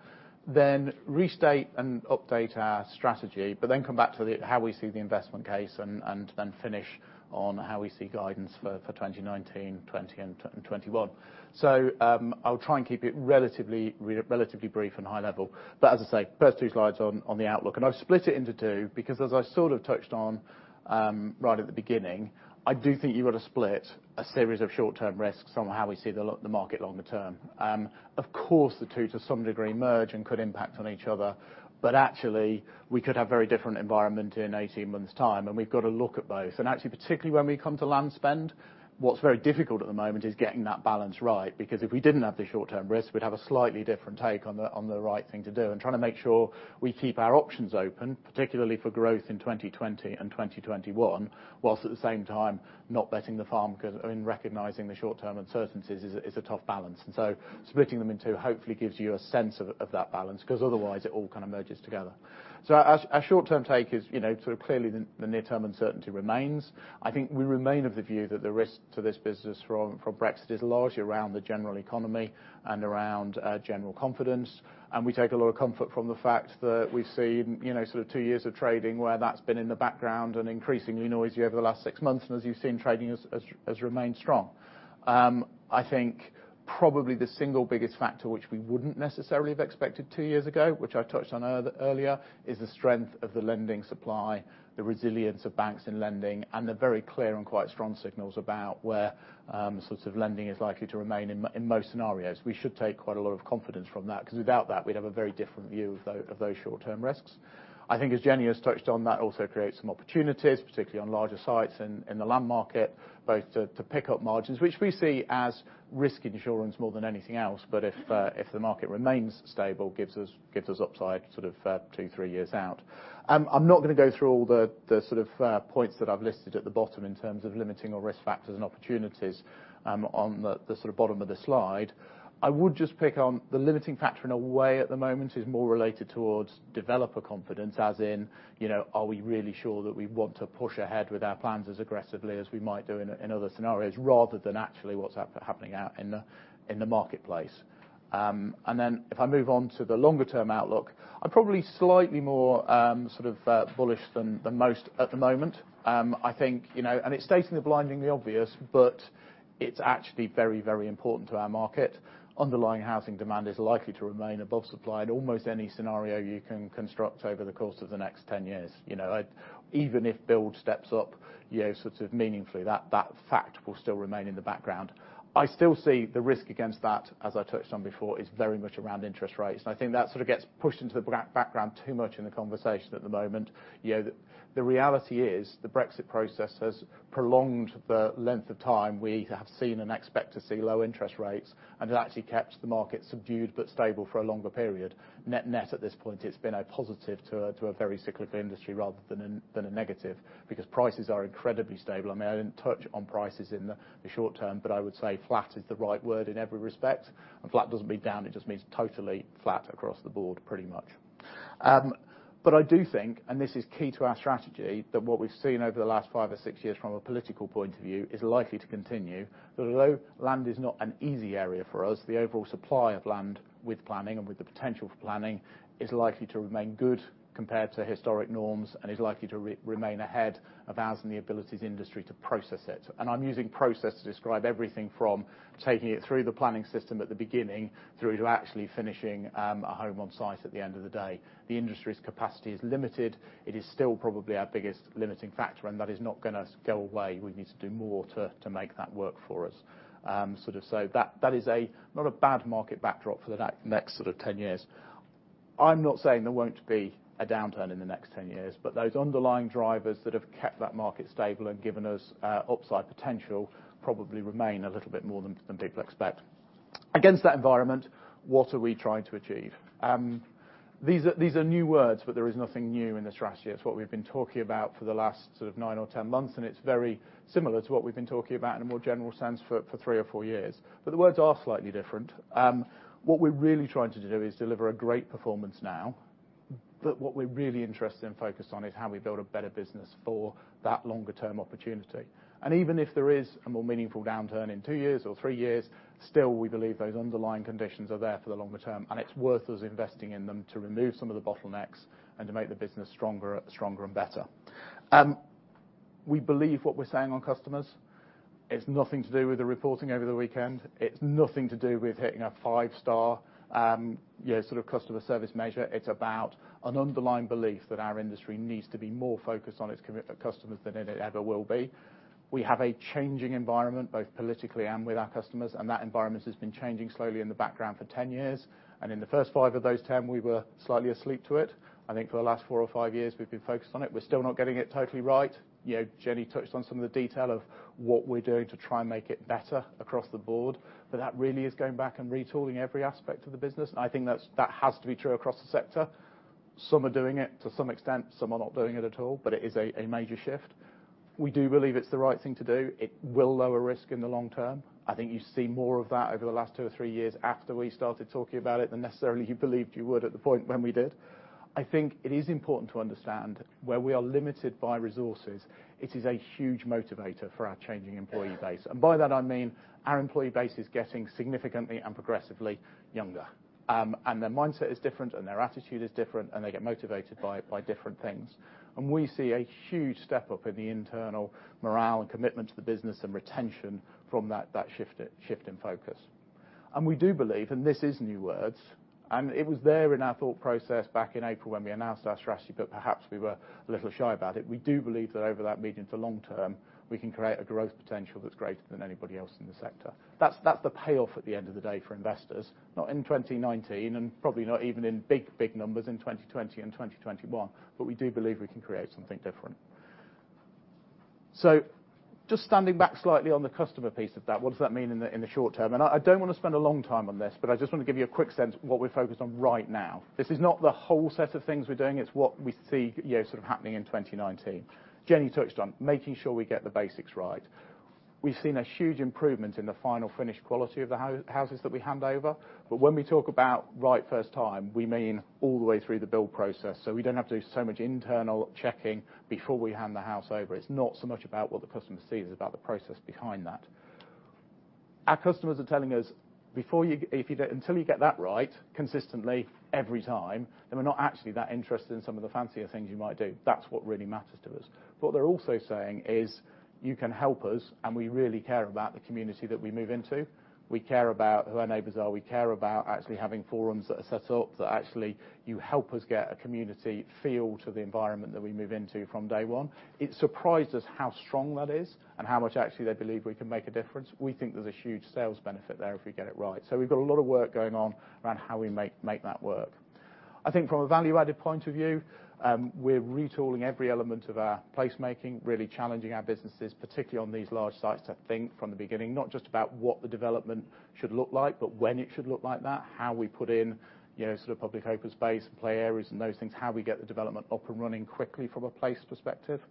Then restate and update our strategy, but then come back to how we see the investment case and then finish on how we see guidance for 2019, 2020, and 2021. I'll try and keep it relatively brief and high level. As I say, first two slides on the outlook. I've split it into two, because as I sort of touched on right at the beginning, I do think you've got to split a series of short-term risks on how we see the market longer term. The two to some degree merge and could impact on each other. Actually, we could have very different environment in 18 months' time, and we've got to look at both. Actually, particularly when we come to land spend, what's very difficult at the moment is getting that balance right. If we didn't have the short-term risk, we'd have a slightly different take on the right thing to do, and trying to make sure we keep our options open, particularly for growth in 2020 and 2021, whilst at the same time not betting the farm, because in recognizing the short-term uncertainties is a tough balance. Splitting them in two hopefully gives you a sense of that balance, because otherwise it all kind of merges together. Our short-term take is clearly the near-term uncertainty remains. I think we remain of the view that the risk to this business from Brexit is largely around the general economy and around general confidence. We take a lot of comfort from the fact that we've seen two years of trading where that's been in the background and increasingly noisy over the last six months, and as you've seen, trading has remained strong. I think probably the single biggest factor which we wouldn't necessarily have expected two years ago, which I touched on earlier, is the strength of the lending supply, the resilience of banks in lending, and the very clear and quite strong signals about where lending is likely to remain in most scenarios. We should take quite a lot of confidence from that, because without that, we'd have a very different view of those short-term risks. I think as Jennie has touched on, that also creates some opportunities, particularly on larger sites in the land market, both to pick up margins, which we see as risk insurance more than anything else. If the market remains stable, gives us upside two, three years out. I'm not going to go through all the points that I've listed at the bottom in terms of limiting our risk factors and opportunities on the bottom of the slide. I would just pick on the limiting factor in a way at the moment is more related towards developer confidence, as in, are we really sure that we want to push ahead with our plans as aggressively as we might do in other scenarios, rather than actually what's happening out in the marketplace. Then if I move on to the longer-term outlook, I'm probably slightly more bullish than most at the moment. It's stating the blindingly obvious, but it's actually very important to our market. Underlying housing demand is likely to remain above supply in almost any scenario you can construct over the course of the next 10 years. Even if build steps up meaningfully, that fact will still remain in the background. I still see the risk against that, as I touched on before, is very much around interest rates. I think that sort of gets pushed into the background too much in the conversation at the moment. The reality is the Brexit process has prolonged the length of time we have seen and expect to see low interest rates, and it actually kept the market subdued but stable for a longer period. Net at this point, it's been a positive to a very cyclical industry rather than a negative, because prices are incredibly stable. I didn't touch on prices in the short term, but I would say flat is the right word in every respect. Flat doesn't mean down, it just means totally flat across the board pretty much. I do think, and this is key to our strategy, that what we've seen over the last five or six years from a political point of view is likely to continue. Although land is not an easy area for us, the overall supply of land with planning and with the potential for planning is likely to remain good compared to historic norms and is likely to remain ahead of us and the ability of the industry to process it. I'm using process to describe everything from taking it through the planning system at the beginning through to actually finishing a home on site at the end of the day. The industry's capacity is limited. It is still probably our biggest limiting factor, and that is not going to go away. We need to do more to make that work for us. That is not a bad market backdrop for the next 10 years. I'm not saying there won't be a downturn in the next 10 years, but those underlying drivers that have kept that market stable and given us upside potential probably remain a little bit more than people expect. Against that environment, what are we trying to achieve? These are new words, but there is nothing new in the strategy. It's what we've been talking about for the last nine or 10 months, and it's very similar to what we've been talking about in a more general sense for three or four years. The words are slightly different. What we're really trying to do is deliver a great performance now. What we're really interested and focused on is how we build a better business for that longer term opportunity. Even if there is a more meaningful downturn in two years or three years, still we believe those underlying conditions are there for the longer term, and it's worth us investing in them to remove some of the bottlenecks and to make the business stronger and better. We believe what we're saying on customers. It's nothing to do with the reporting over the weekend. It's nothing to do with hitting a five-star customer service measure. It's about an underlying belief that our industry needs to be more focused on its customers than it ever will be. We have a changing environment, both politically and with our customers, and that environment has been changing slowly in the background for 10 years. In the first five of those 10, we were slightly asleep to it. I think for the last four or five years, we've been focused on it. We're still not getting it totally right. Jennie touched on some of the detail of what we're doing to try and make it better across the board, but that really is going back and retooling every aspect of the business. I think that has to be true across the sector. Some are doing it to some extent. Some are not doing it at all, but it is a major shift. We do believe it's the right thing to do. It will lower risk in the long term. I think you see more of that over the last two or three years after we started talking about it than necessarily you believed you would at the point when we did. I think it is important to understand where we are limited by resources. It is a huge motivator for our changing employee base. By that I mean our employee base is getting significantly and progressively younger. Their mindset is different, and their attitude is different, and they get motivated by different things. We see a huge step up in the internal morale and commitment to the business and retention from that shift in focus. We do believe, and this is new words, and it was there in our thought process back in April when we announced our strategy, but perhaps we were a little shy about it. We do believe that over that medium to long term, we can create a growth potential that's greater than anybody else in the sector. That's the payoff at the end of the day for investors. Not in 2019 and probably not even in big numbers in 2020 and 2021. We do believe we can create something different. Just standing back slightly on the customer piece of that, what does that mean in the short term? I don't want to spend a long time on this, but I just want to give you a quick sense what we're focused on right now. This is not the whole set of things we're doing. It's what we see happening in 2019. Jennie touched on making sure we get the basics right. We've seen a huge improvement in the final finished quality of the houses that we hand over. When we talk about right first time, we mean all the way through the build process, so we don't have to do so much internal checking before we hand the house over. It's not so much about what the customer sees, it's about the process behind that. Our customers are telling us, "Until you get that right consistently every time, then we're not actually that interested in some of the fancier things you might do. That's what really matters to us." What they're also saying is, "You can help us, and we really care about the community that we move into. We care about who our neighbors are. We care about actually having forums that are set up, that actually you help us get a community feel to the environment that we move into from day one." It surprised us how strong that is and how much actually they believe we can make a difference. We think there's a huge sales benefit there if we get it right. We've got a lot of work going on around how we make that work. I think from a value-added point of view, we're retooling every element of our placemaking, really challenging our businesses, particularly on these large sites, to think from the beginning, not just about what the development should look like, but when it should look like that. How we put in public open space and play areas and those things. How we get the development up and running quickly from a place perspective.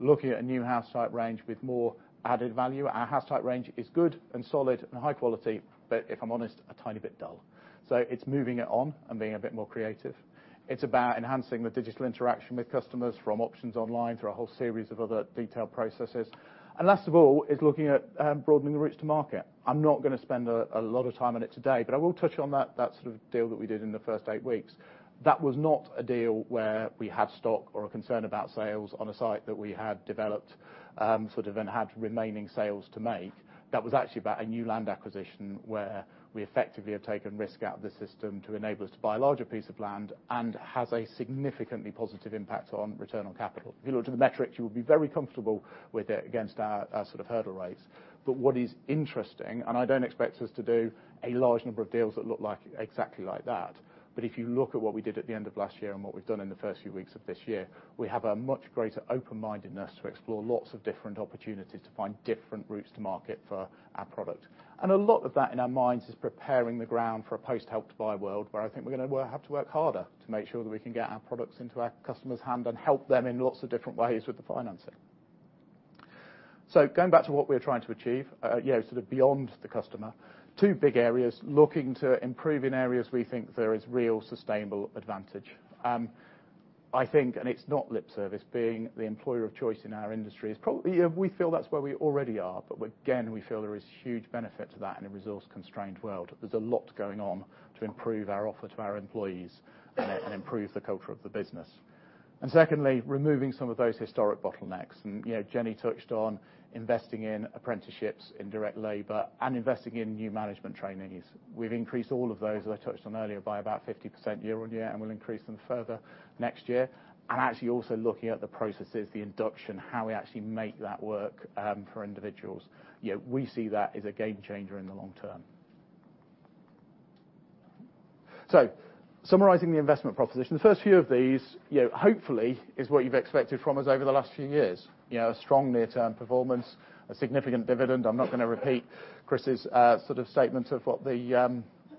Looking at a new house type range with more added value. Our house type range is good and solid and high quality, but if I'm honest, a tiny bit dull. It's moving it on and being a bit more creative. It's about enhancing the digital interaction with customers from options online through a whole series of other detailed processes. Last of all is looking at broadening the routes to market. I'm not going to spend a lot of time on it today, but I will touch on that sort of deal that we did in the first eight weeks. That was not a deal where we had stock or a concern about sales on a site that we had developed and had remaining sales to make. That was actually about a new land acquisition where we effectively have taken risk out of the system to enable us to buy a larger piece of land and has a significantly positive impact on return on capital. If you look to the metrics, you will be very comfortable with it against our hurdle rates. What is interesting, and I don't expect us to do a large number of deals that look exactly like that. If you look at what we did at the end of last year and what we've done in the first few weeks of this year, we have a much greater open-mindedness to explore lots of different opportunities to find different routes to market for our product. A lot of that, in our minds, is preparing the ground for a post Help to Buy world where I think we're going to have to work harder to make sure that we can get our products into our customers' hand and help them in lots of different ways with the financing. Going back to what we're trying to achieve, sort of beyond the customer. Two big areas, looking to improve in areas we think there is real sustainable advantage. I think, it's not lip service, being the employer of choice in our industry is where we already are. Again, we feel there is huge benefit to that in a resource-constrained world. There's a lot going on to improve our offer to our employees and improve the culture of the business. Secondly, removing some of those historic bottlenecks. Jennie touched on investing in apprenticeships, in direct labor, and investing in new management trainees. We've increased all of those, as I touched on earlier, by about 50% year-on-year, and we'll increase them further next year. Actually also looking at the processes, the induction, how we actually make that work for individuals. We see that as a game changer in the long term. Summarizing the investment proposition. The first few of these hopefully is what you've expected from us over the last few years. A strong near-term performance, a significant dividend. I'm not going to repeat Chris's sort of statement of what the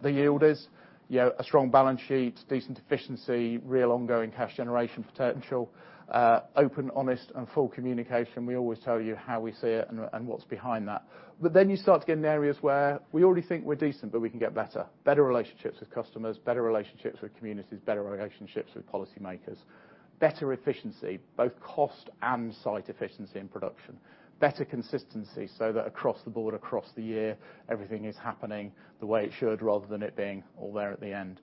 yield is. A strong balance sheet, decent efficiency, real ongoing cash generation potential. Open, honest, and full communication. We always tell you how we see it and what's behind that. You start to get into areas where we already think we're decent, but we can get better. Better relationships with customers, better relationships with communities, better relationships with policymakers. Better efficiency, both cost and site efficiency and production. Better consistency so that across the board, across the year, everything is happening the way it should rather than it being all there at the end.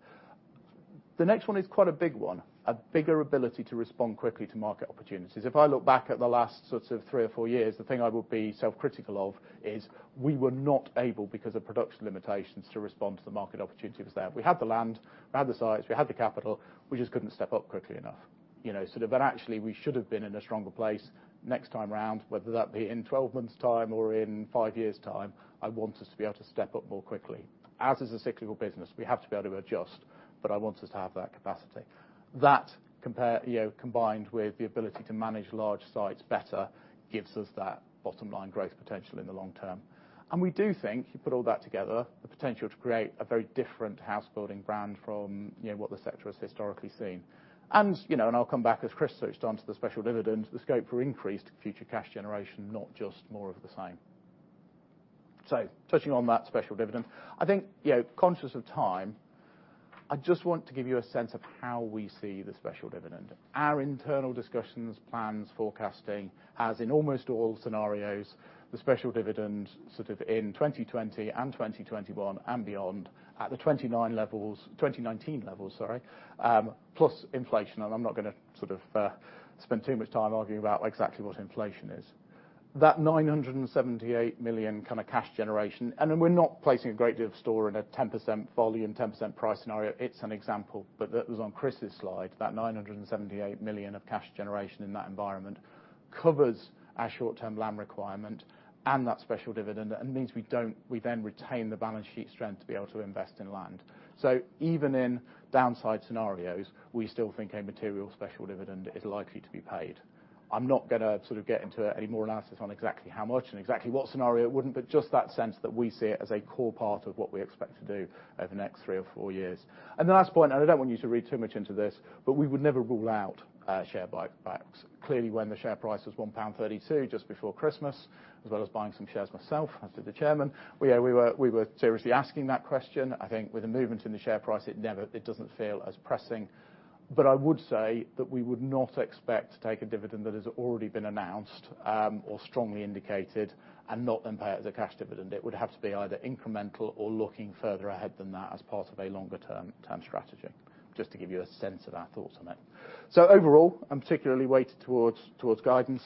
The next one is quite a big one. A bigger ability to respond quickly to market opportunities. If I look back at the last sort of three or four years, the thing I would be self-critical of is we were not able, because of production limitations, to respond to the market opportunity that was there. We had the land, we had the sites, we had the capital. We just couldn't step up quickly enough. Actually, we should have been in a stronger place next time around, whether that be in 12 months time or in five years time, I want us to be able to step up more quickly. Ours is a cyclical business. We have to be able to adjust, but I want us to have that capacity. That, combined with the ability to manage large sites better, gives us that bottom-line growth potential in the long term. We do think, you put all that together, the potential to create a very different house building brand from what the sector has historically seen. I'll come back, as Chris touched on, to the special dividend, the scope for increased future cash generation, not just more of the same. Touching on that special dividend, I think, conscious of time, I just want to give you a sense of how we see the special dividend. Our internal discussions, plans, forecasting, as in almost all scenarios, the special dividend sort of in 2020 and 2021 and beyond, at the 2019 levels, plus inflation, and I'm not going to sort of spend too much time arguing about exactly what inflation is. That 978 million kind of cash generation. We're not placing a great deal of store in a 10% volume, 10% price scenario. It's an example, but that was on Chris's slide. That 978 million of cash generation in that environment covers our short-term land requirement and that special dividend, and means we then retain the balance sheet strength to be able to invest in land. Even in downside scenarios, we still think a material special dividend is likely to be paid. I'm not going to sort of get into any more analysis on exactly how much and exactly what scenario it would in, but just that sense that we see it as a core part of what we expect to do over the next three or four years. The last point, and I don't want you to read too much into this, but we would never rule out share buybacks. Clearly, when the share price was 1.32 pound just before Christmas, as well as buying some shares myself, as did the chairman, we were seriously asking that question. I think with the movement in the share price, it doesn't feel as pressing. I would say that we would not expect to take a dividend that has already been announced, or strongly indicated, and not then pay it as a cash dividend. It would have to be either incremental or looking further ahead than that as part of a longer-term strategy, just to give you a sense of our thoughts on it. Overall, and particularly weighted towards guidance,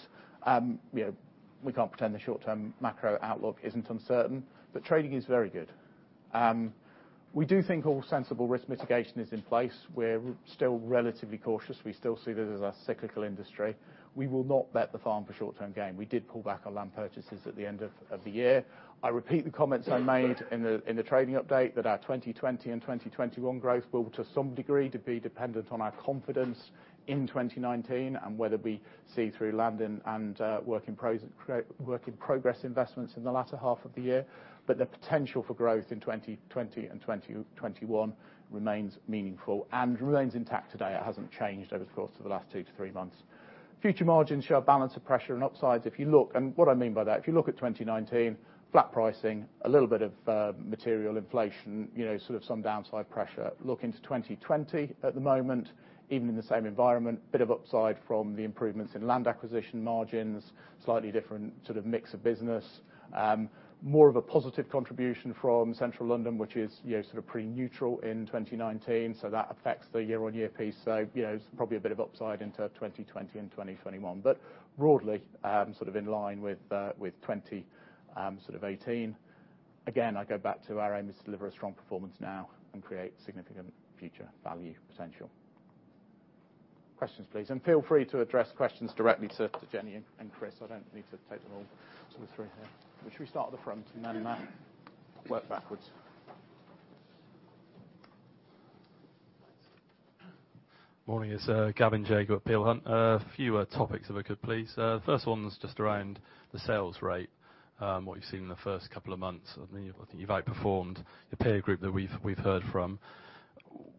we can't pretend the short-term macro outlook isn't uncertain, but trading is very good. We do think all sensible risk mitigation is in place. We're still relatively cautious. We still see this as a cyclical industry. We will not bet the farm for short-term gain. We did pull back our land purchases at the end of the year. I repeat the comments I made in the trading update that our 2020 and 2021 growth will, to some degree, be dependent on our confidence in 2019 and whether we see through land and work-in-progress investments in the latter half of the year. The potential for growth in 2020 and 2021 remains meaningful and remains intact today. It hasn't changed over the course of the last two to three months. Future margins show a balance of pressure and upsides. What I mean by that, if you look at 2019, flat pricing, a little bit of material inflation, sort of some downside pressure. Look into 2020 at the moment, even in the same environment, bit of upside from the improvements in land acquisition margins, slightly different sort of mix of business. More of a positive contribution from Central London, which is sort of pretty neutral in 2019. That affects the year-on-year piece. Probably a bit of upside into 2020 and 2021. Broadly, sort of in line with 2018. Again, I go back to our aim is to deliver a strong performance now and create significant future value potential. Questions, please, and feel free to address questions directly to Jennie and Chris. I don't need to take them all sort of through here. We should start at the front and then work backwards. Morning. It's Gavin Jago at Peel Hunt. A few topics if I could, please. First one's just around the sales rate, what you've seen in the first couple of months. I think you've outperformed the peer group that we've heard from.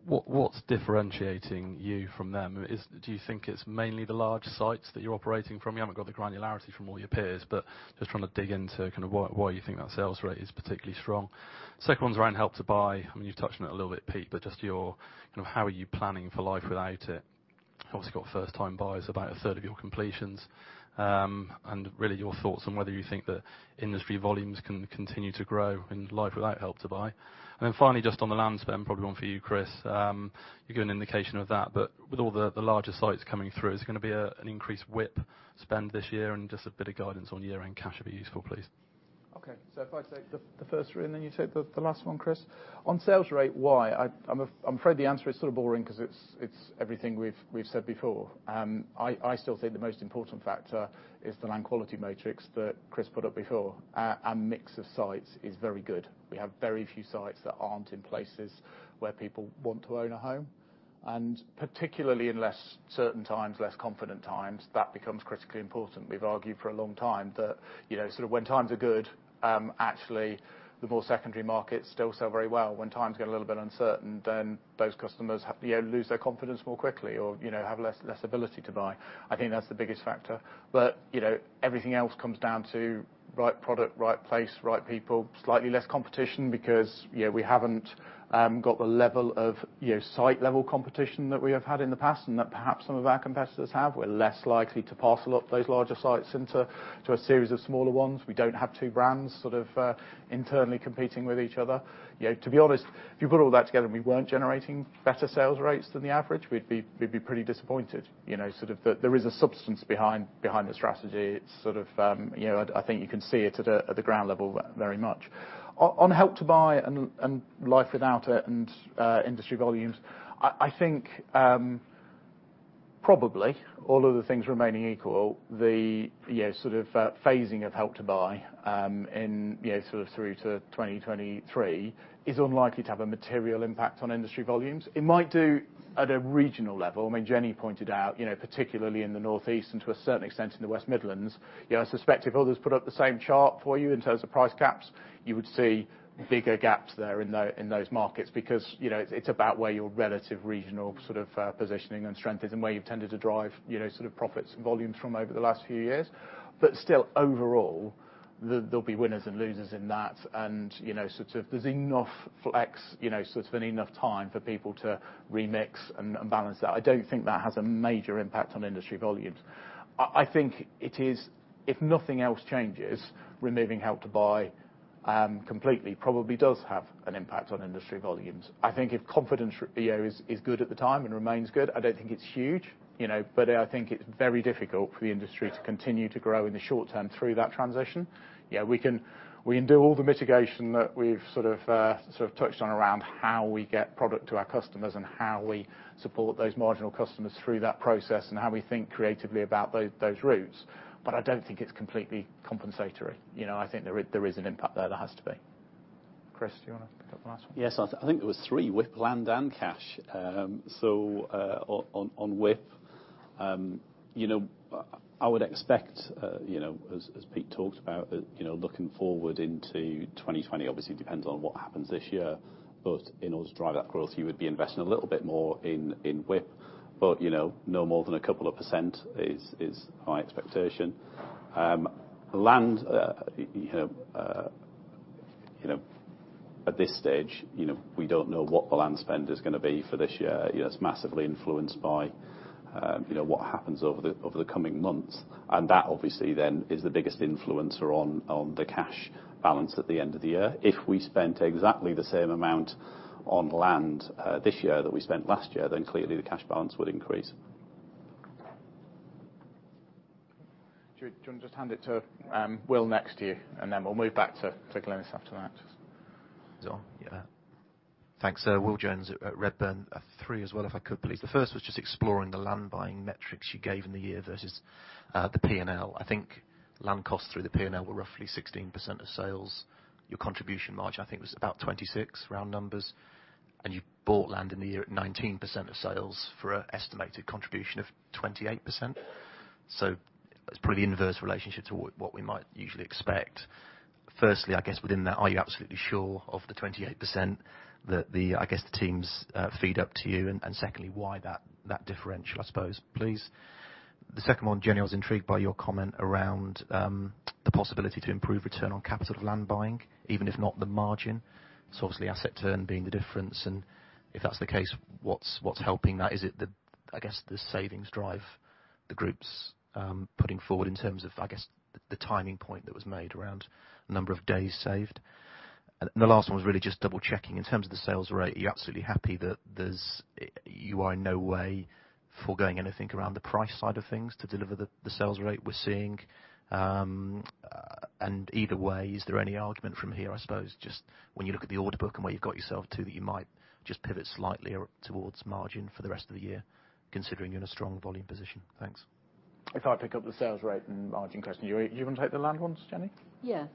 What's differentiating you from them? Do you think it's mainly the large sites that you're operating from? You haven't got the granularity from all your peers, but just trying to dig into kind of why you think that sales rate is particularly strong. Second one's around Help to Buy. I mean, you've touched on it a little bit, Pete, but just how are you planning for life without it? Obviously got first time buyers, about a third of your completions. Really your thoughts on whether you think that industry volumes can continue to grow in life without Help to Buy. Finally, just on the land spend, probably one for you, Chris. You gave an indication of that, but with all the larger sites coming through, is there going to be an increased WIP spend this year, and just a bit of guidance on year-end cash would be useful, please. If I take the first three, then you take the last one, Chris. On sales rate, why? I'm afraid the answer is sort of boring because it's everything we've said before. I still think the most important factor is the land quality metrics that Chris put up before. Our mix of sites is very good. We have very few sites that aren't in places where people want to own a home. Particularly in less certain times, less confident times, that becomes critically important. We've argued for a long time that sort of when times are good, actually the more secondary markets still sell very well. When times get a little bit uncertain, then those customers lose their confidence more quickly or have less ability to buy. I think that's the biggest factor. Everything else comes down to right product, right place, right people. Slightly less competition because we haven't got the level of site level competition that we have had in the past and that perhaps some of our competitors have. We're less likely to parcel up those larger sites into a series of smaller ones. We don't have two brands sort of internally competing with each other. To be honest, if you put all that together and we weren't generating better sales rates than the average, we'd be pretty disappointed. There is a substance behind the strategy. I think you can see it at the ground level very much. Probably, all of the things remaining equal, the phasing of Help to Buy through to 2023 is unlikely to have a material impact on industry volumes. It might do at a regional level. Jennie pointed out, particularly in the Northeast and to a certain extent in the West Midlands. I suspect if others put up the same chart for you in terms of price gaps, you would see bigger gaps there in those markets because, it's about where your relative regional positioning and strength is and where you've tended to drive profits and volumes from over the last few years. Still, overall, there'll be winners and losers in that, and there's enough flex, there's been enough time for people to remix and balance that. I don't think that has a major impact on industry volumes. I think it is, if nothing else changes, removing Help to Buy completely probably does have an impact on industry volumes. I think if confidence is good at the time and remains good, I don't think it's huge. I think it's very difficult for the industry to continue to grow in the short term through that transition. We can do all the mitigation that we've touched on around how we get product to our customers and how we support those marginal customers through that process and how we think creatively about those routes. I don't think it's completely compensatory. I think there is an impact there. There has to be. Chris, do you want to pick up the last one? Yes, I think there were three, WIP, land, and cash. On WIP, I would expect, as Pete talked about, looking forward into 2020, obviously it depends on what happens this year, but in order to drive that growth, you would be investing a little bit more in WIP. No more than a couple of % is our expectation. Land, at this stage we don't know what the land spend is going to be for this year. It's massively influenced by what happens over the coming months. That obviously then is the biggest influencer on the cash balance at the end of the year. If we spent exactly the same amount on land this year that we spent last year, then clearly the cash balance would increase. Do you want to just hand it to Will next to you, and then we'll move back to Glynis after that? Is on. Yeah. Thanks, sir. Will Jones at Redburn. Three as well if I could, please. The first was just exploring the land-buying metrics you gave in the year versus the P&L. Land costs through the P&L were roughly 16% of sales. Your contribution margin, I think, was about 26%, round numbers. You bought land in the year at 19% of sales for an estimated contribution of 28%. It's probably inverse relationship to what we might usually expect. Firstly, I guess within that, are you absolutely sure of the 28% that, I guess, the teams feed up to you? Secondly, why that differential, I suppose, please? The second one, Jennie, I was intrigued by your comment around the possibility to improve return on capital land buying, even if not the margin. Obviously asset turn being the difference. If that's the case, what's helping that? Is it the, I guess, the savings drive the groups putting forward in terms of, I guess, the timing point that was made around number of days saved? The last one was really just double-checking. In terms of the sales rate, are you absolutely happy that you are in no way foregoing anything around the price side of things to deliver the sales rate we're seeing? Either way, is there any argument from here, I suppose, just when you look at the order book and where you've got yourself, too, that you might just pivot slightly towards margin for the rest of the year, considering you're in a strong volume position? Thanks. If I pick up the sales rate and margin question. You want to take the land ones, Jennie? Yeah.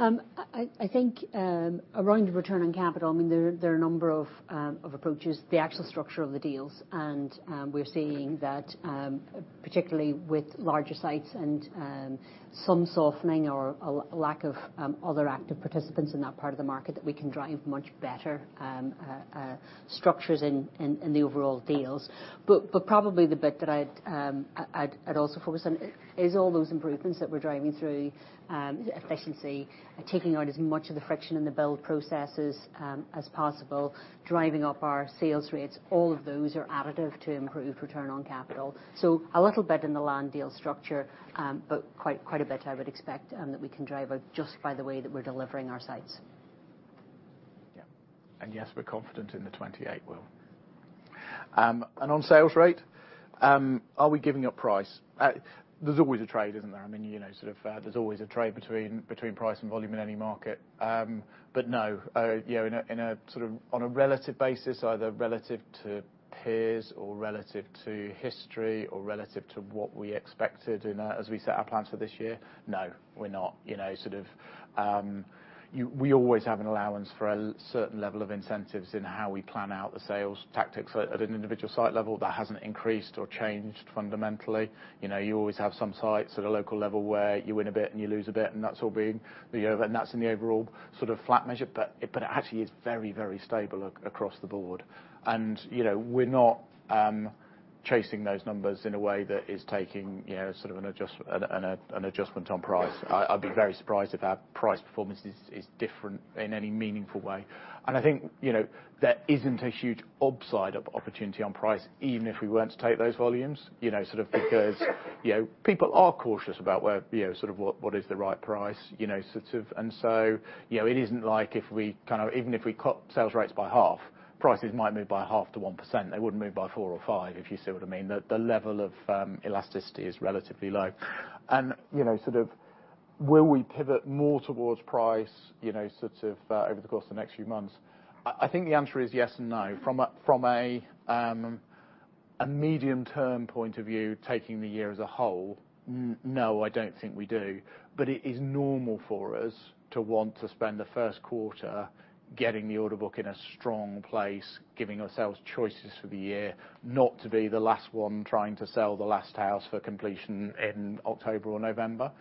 I think around return on capital, there are a number of approaches. The actual structure of the deals, and we're seeing that particularly with larger sites and some softening or a lack of other active participants in that part of the market, that we can drive much better structures in the overall deals. Probably the bit that I'd also focus on is all those improvements that we're driving through efficiency, taking out as much of the friction in the build processes as possible, driving up our sales rates. All of those are additive to improve return on capital. A little bit in the land deal structure, but quite a bit I would expect that we can drive just by the way that we're delivering our sites. Yeah. Yes, we're confident in the 28, Will. On sales rate, are we giving up price? There's always a trade, isn't there? There's always a trade between price and volume in any market. No, on a relative basis, either relative to peers or relative to history or relative to what we expected as we set our plans for this year, no, we're not. We always have an allowance for a certain level of incentives in how we plan out the sales tactics at an individual site level. That hasn't increased or changed fundamentally. You always have some sites at a local level where you win a bit and you lose a bit, and that's in the overall flat measure. It actually is very, very stable across the board. We're not chasing those numbers in a way that is taking an adjustment on price. I'd be very surprised if our price performance is different in any meaningful way. I think, there isn't a huge upside opportunity on price, even if we were to take those volumes. Because people are cautious about what is the right price. So, it isn't like even if we cut sales rates by half, prices might move by half to 1%. They wouldn't move by four or five, if you see what I mean. The level of elasticity is relatively low. Will we pivot more towards price over the course of the next few months? I think the answer is yes and no. From a medium-term point of view, taking the year as a whole, no, I don't think we do. It is normal for us to want to spend the first quarter getting the order book in a strong place, giving ourselves choices for the year, not to be the last one trying to sell the last house for completion in October or November.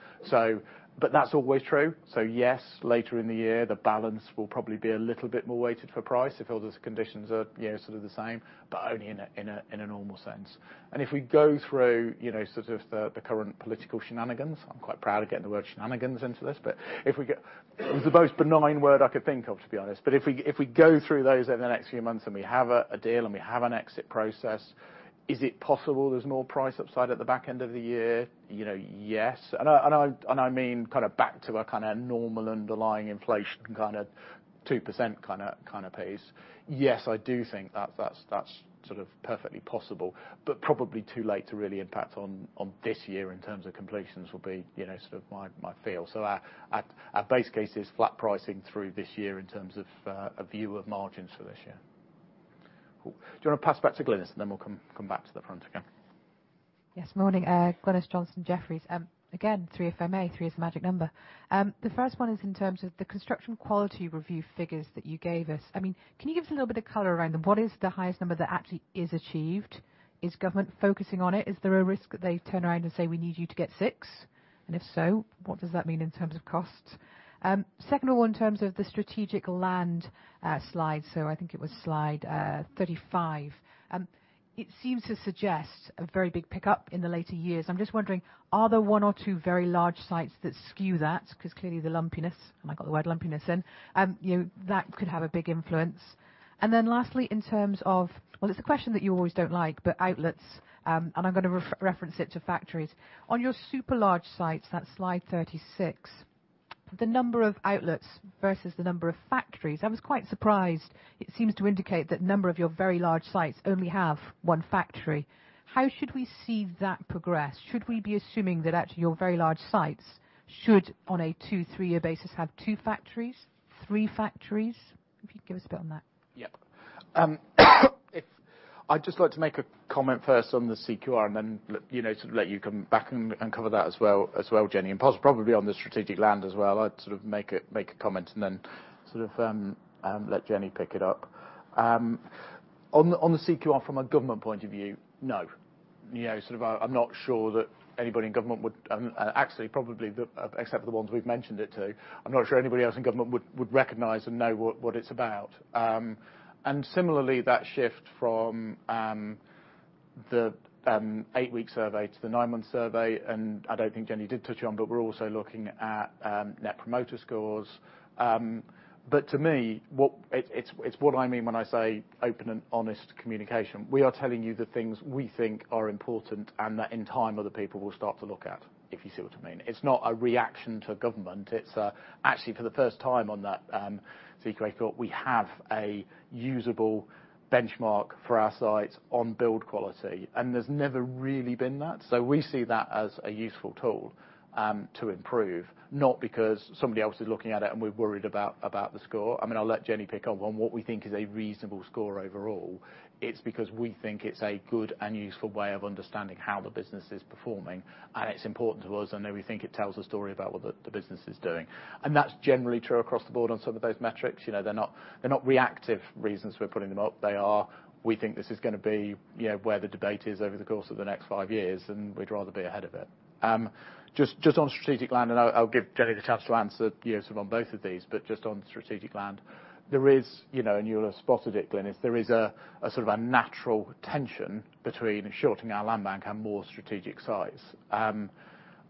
That's always true. Yes, later in the year, the balance will probably be a little bit more weighted for price if all those conditions are the same, but only in a normal sense. If we go through the current political shenanigans, I'm quite proud of getting the word shenanigans into this, if we get. It was the most benign word I could think of, to be honest. If we go through those over the next few months and we have a deal and we have an exit process, is it possible there's more price upside at the back end of the year? Yes. I mean back to a normal, underlying inflation, 2% pace. Yes, I do think that's perfectly possible, but probably too late to really impact on this year in terms of completions will be my feel. Our base case is flat pricing through this year in terms of a view of margins for this year. Cool. Do you want to pass back to Glynis, and then we'll come back to the front again? Yes, morning. Glynis Johnson, Jefferies. Again, three if I may. Three is the magic number. The first one is in terms of the construction quality review figures that you gave us. Can you give us a little bit of color around them? What is the highest number that actually is achieved? Is government focusing on it? Is there a risk that they turn around and say, "We need you to get six"? If so, what does that mean in terms of costs? Second one, in terms of the strategic land slide, so I think it was slide 35. It seems to suggest a very big pickup in the later years. I'm just wondering, are there one or two very large sites that skew that? Clearly the lumpiness, and I got the word lumpiness in, that could have a big influence. Lastly, in terms of, well, it's a question that you always don't like, but outlets, and I'm going to reference it to factories. On your super large sites, that's slide 36, the number of outlets versus the number of factories. I was quite surprised. It seems to indicate that a number of your very large sites only have one factory. How should we see that progress? Should we be assuming that actually your very large sites should, on a two, three-year basis, have two factories, three factories? If you could give us a bit on that. Yep. I'd just like to make a comment first on the CQR then sort of let you come back and cover that as well, Jennie. Probably on the strategic land as well. I'd sort of make a comment then sort of let Jennie pick it up. On the CQR from a government point of view, no. I'm not sure that anybody in government would. Actually, probably except for the ones we've mentioned it to. I'm not sure anybody else in government would recognize and know what it's about. Similarly, that shift from the eight-week survey to the nine-month survey, I don't think Jennie did touch on, but we're also looking at net promoter scores. To me, it's what I mean when I say open and honest communication. We are telling you the things we think are important and that, in time, other people will start to look at, if you see what I mean. It's not a reaction to government. It's actually for the first time on that CQR thought, we have a usable benchmark for our sites on build quality, and there's never really been that. We see that as a useful tool to improve, not because somebody else is looking at it and we're worried about the score. I mean, I'll let Jennie pick up on what we think is a reasonable score overall. It's because we think it's a good and useful way of understanding how the business is performing, and it's important to us, and we think it tells a story about what the business is doing. That's generally true across the board on some of those metrics. They're not reactive reasons we're putting them up. They are, we think this is going to be where the debate is over the course of the next five years. We'd rather be ahead of it. Just on strategic land, I'll give Jennie the chance to answer sort of on both of these. Just on strategic land. There is, you'll have spotted it, Glynis, there is a sort of a natural tension between shortening our land bank and more strategic sites.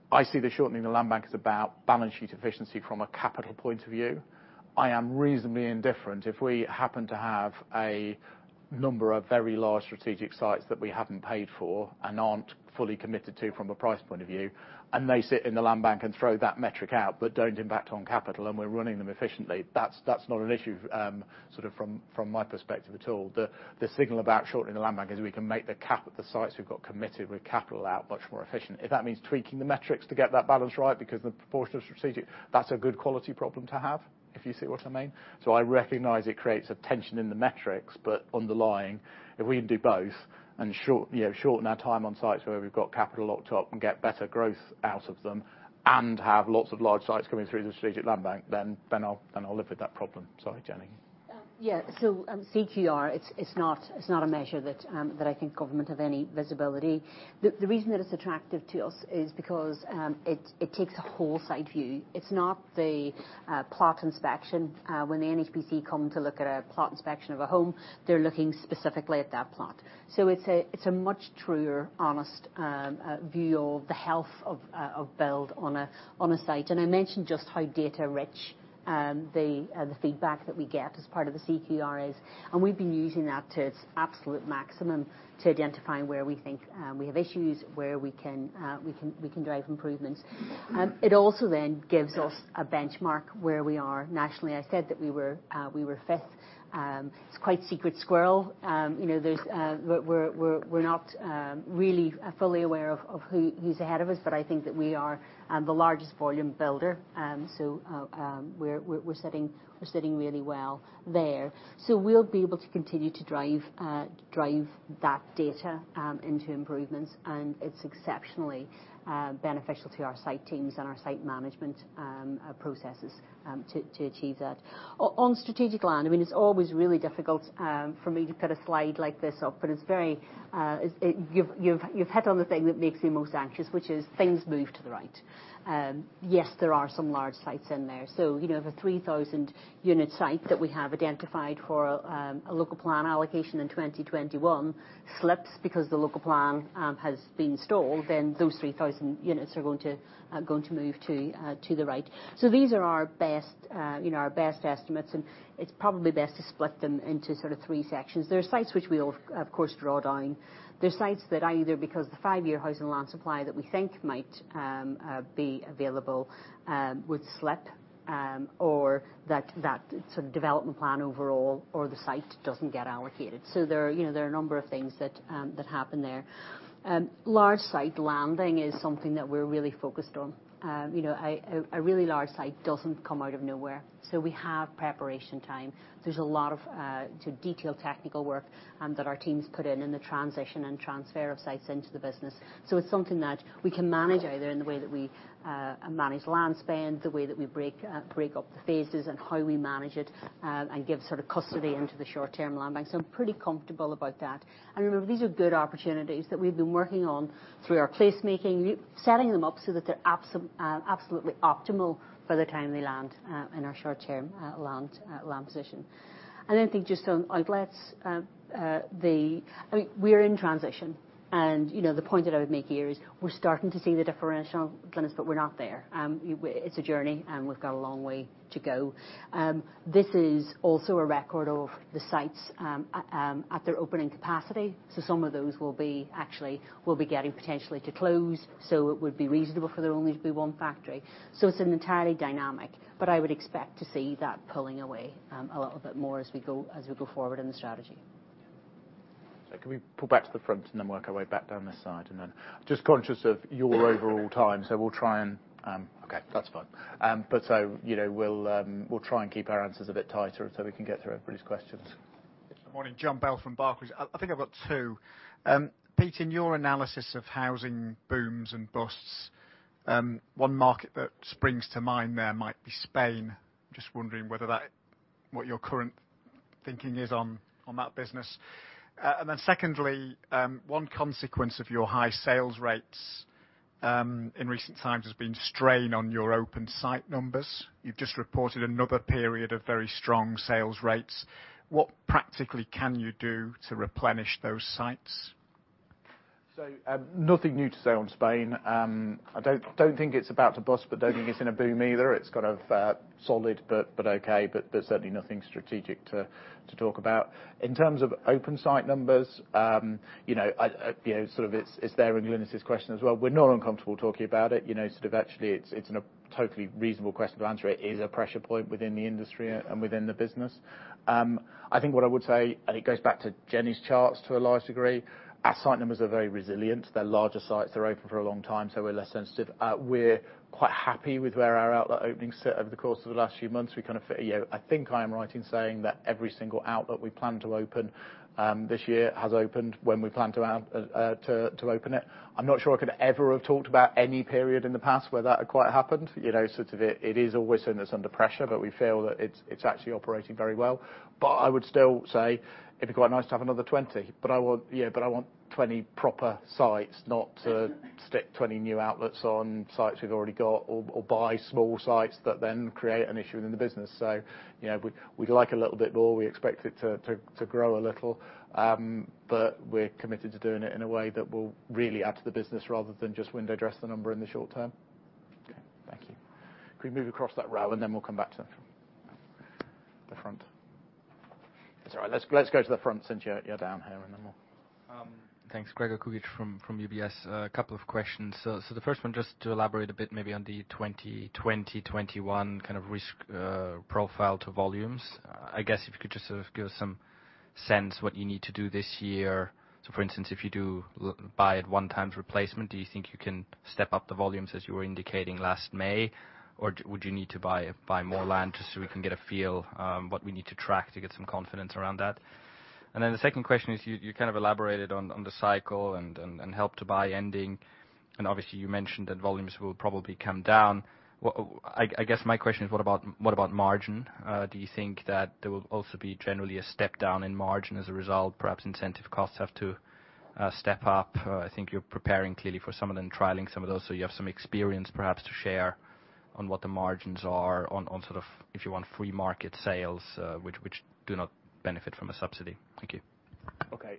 I see the shortening the land bank as about balance sheet efficiency from a capital point of view. I am reasonably indifferent if we happen to have a number of very large strategic sites that we haven't paid for and aren't fully committed to from a price point of view, and they sit in the land bank and throw that metric out but don't impact on capital and we're running them efficiently. That's not an issue sort of from my perspective at all. The signal about shortening the land bank is we can make the sites we've got committed with capital out much more efficient. If that means tweaking the metrics to get that balance right because the proportion of strategic, that's a good quality problem to have, if you see what I mean. I recognize it creates a tension in the metrics, but underlying, if we can do both and shorten our time on sites where we've got capital locked up and get better growth out of them and have lots of large sites coming through the strategic land bank, then I'll live with that problem. Sorry, Jennie. Yeah. CQR, it's not a measure that I think government have any visibility. The reason that it's attractive to us is because it takes a whole site view. It's not the plot inspection. When the NHBC come to look at a plot inspection of a home, they're looking specifically at that plot. It's a much truer, honest view of the health of build on a site. I mentioned just how data rich the feedback that we get as part of the CQR is, and we've been using that to its absolute maximum to identifying where we think we have issues, where we can drive improvements. It also gives us a benchmark where we are nationally. I said that we were fifth. It's quite secret squirrel. We're not really fully aware of who's ahead of us, but I think that we are the largest volume builder. We're sitting really well there. We'll be able to continue to drive that data into improvements, and it's exceptionally beneficial to our site teams and our site management processes to achieve that. On strategic land, it's always really difficult for me to put a slide like this up, but you've hit on the thing that makes me most anxious, which is things move to the right. Yes, there are some large sites in there. If a 3,000 unit site that we have identified for a local plan allocation in 2021 slips because the local plan has been stalled, then those 3,000 units are going to move to the right. These are our best estimates, and it's probably best to split them into sort of three sections. There are sites which we of course draw down. There are sites that either because the five-year housing land supply that we think might be available would slip, or that sort of development plan overall, or the site doesn't get allocated. There are a number of things that happen there. Large site landing is something that we're really focused on. A really large site doesn't come out of nowhere, so we have preparation time. There's a lot of detailed technical work that our teams put in the transition and transfer of sites into the business. It's something that we can manage either in the way that we manage land spend, the way that we break up the phases and how we manage it, and give sort of custody into the short-term land bank. I'm pretty comfortable about that. Remember, these are good opportunities that we've been working on through our placemaking, setting them up so that they're absolutely optimal for the time they land in our short-term land position. Then I think just on outlets, we're in transition. The point that I would make here is we're starting to see the differential, Glynis, but we're not there. It's a journey, and we've got a long way to go. This is also a record of the sites at their opening capacity. Some of those will be actually getting potentially to close, so it would be reasonable for there only to be one factory. It's an entirely dynamic, but I would expect to see that pulling away a little bit more as we go forward in the strategy. Can we pull back to the front and then work our way back down this side, and then just conscious of your overall time, so we'll try and okay, that's fine. We'll try and keep our answers a bit tighter so we can get through everybody's questions. Good morning. Jon Bell from Barclays. I think I've got two. Pete, in your analysis of housing booms and busts, one market that springs to mind there might be Spain. Just wondering what your current thinking is on that business. Then secondly, one consequence of your high sales rates, in recent times has been strain on your open site numbers. You've just reported another period of very strong sales rates. What practically can you do to replenish those sites? Nothing new to say on Spain. I don't think it's about to bust, don't think it's in a boom either. It's kind of solid, but okay. There's certainly nothing strategic to talk about. In terms of open site numbers, it's there in Glynis' question as well. We're not uncomfortable talking about it. Actually, it's a totally reasonable question to answer. It is a pressure point within the industry and within the business. I think what I would say, and it goes back to Jennie's charts to a large degree, our site numbers are very resilient. They're larger sites. They're open for a long time, so we're less sensitive. We're quite happy with where our outlet openings sit over the course of the last few months. I think I am right in saying that every single outlet we plan to open this year has opened when we plan to open it. I'm not sure I could ever have talked about any period in the past where that had quite happened. It is always something that's under pressure, but we feel that it's actually operating very well. I would still say it'd be quite nice to have another 20. I want 20 proper sites, not to stick 20 new outlets on sites we've already got or buy small sites that then create an issue within the business. We'd like a little bit more. We expect it to grow a little. We're committed to doing it in a way that will really add to the business rather than just window dress the number in the short term. Okay. Thank you. Can we move across that row, and then we'll come back to the front. It's all right. Let's go to the front since you're down here, and then we'll. Thanks. Gregor Kuglitsch from UBS. A couple of questions. The first one, just to elaborate a bit maybe on the 2020, 2021 kind of risk profile to volumes. I guess if you could just sort of give us some sense what you need to do this year. For instance, if you do buy at 1 times replacement, do you think you can step up the volumes as you were indicating last May? Or would you need to buy more land just so we can get a feel what we need to track to get some confidence around that? The second question is, you kind of elaborated on the cycle and Help to Buy ending, and obviously you mentioned that volumes will probably come down. I guess my question is, what about margin? Do you think that there will also be generally a step down in margin as a result? Perhaps incentive costs have to step up. I think you are preparing clearly for some of them, trialing some of those. You have some experience, perhaps, to share on what the margins are on sort of, if you want, free market sales, which do not benefit from a subsidy. Thank you. Okay.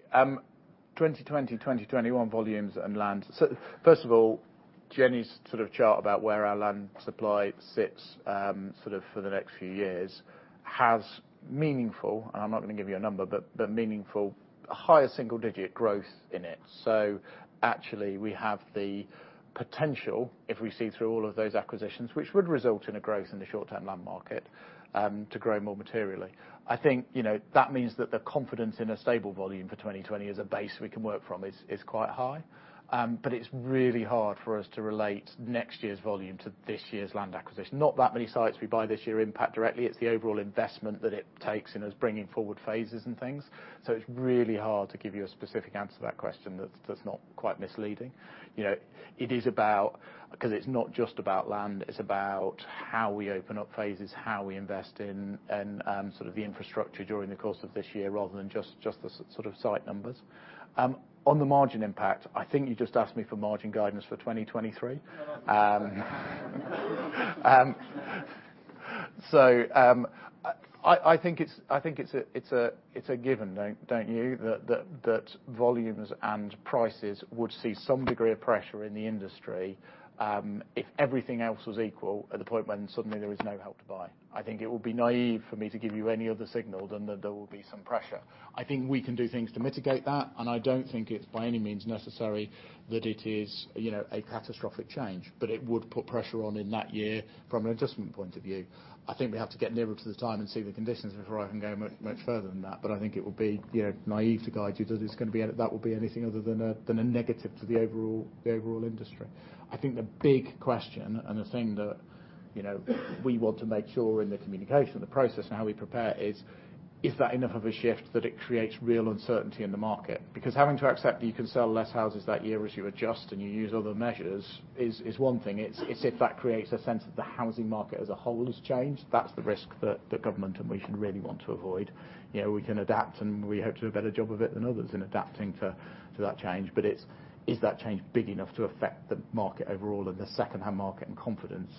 2020, 2021 volumes and land. First of all, Jennie's sort of chart about where our land supply sits for the next few years has meaningful, and I am not going to give you a number, but meaningful higher single-digit growth in it. Actually we have the potential, if we see through all of those acquisitions, which would result in a growth in the short term land market, to grow more materially. I think that means that the confidence in a stable volume for 2020 as a base we can work from is quite high. It is really hard for us to relate next year's volume to this year's land acquisition. Not that many sites we buy this year impact directly. It is the overall investment that it takes in us bringing forward phases and things. It is really hard to give you a specific answer to that question that is not quite misleading. It is not just about land, it is about how we open up phases, how we invest in sort of the infrastructure during the course of this year, rather than just the sort of site numbers. On the margin impact, I think you just asked me for margin guidance for 2023. I think it is a given, do not you, that volumes and prices would see some degree of pressure in the industry, if everything else was equal, at the point when suddenly there is no Help to Buy. I think it would be naive for me to give you any other signal than that there will be some pressure. I think we can do things to mitigate that. I don't think it's by any means necessary that it is a catastrophic change, but it would put pressure on in that year from an adjustment point of view. I think we have to get nearer to the time and see the conditions before I can go much further than that. I think it would be naive to guide you that that will be anything other than a negative to the overall industry. I think the big question and the thing that we want to make sure in the communication, the process and how we prepare is that enough of a shift that it creates real uncertainty in the market? Because having to accept that you can sell less houses that year as you adjust and you use other measures is one thing. It's if that creates a sense that the housing market as a whole has changed. That's the risk that the government and we should really want to avoid. We can adapt and we hope to do a better job of it than others in adapting to that change. Is that change big enough to affect the market overall and the second-hand market and confidence?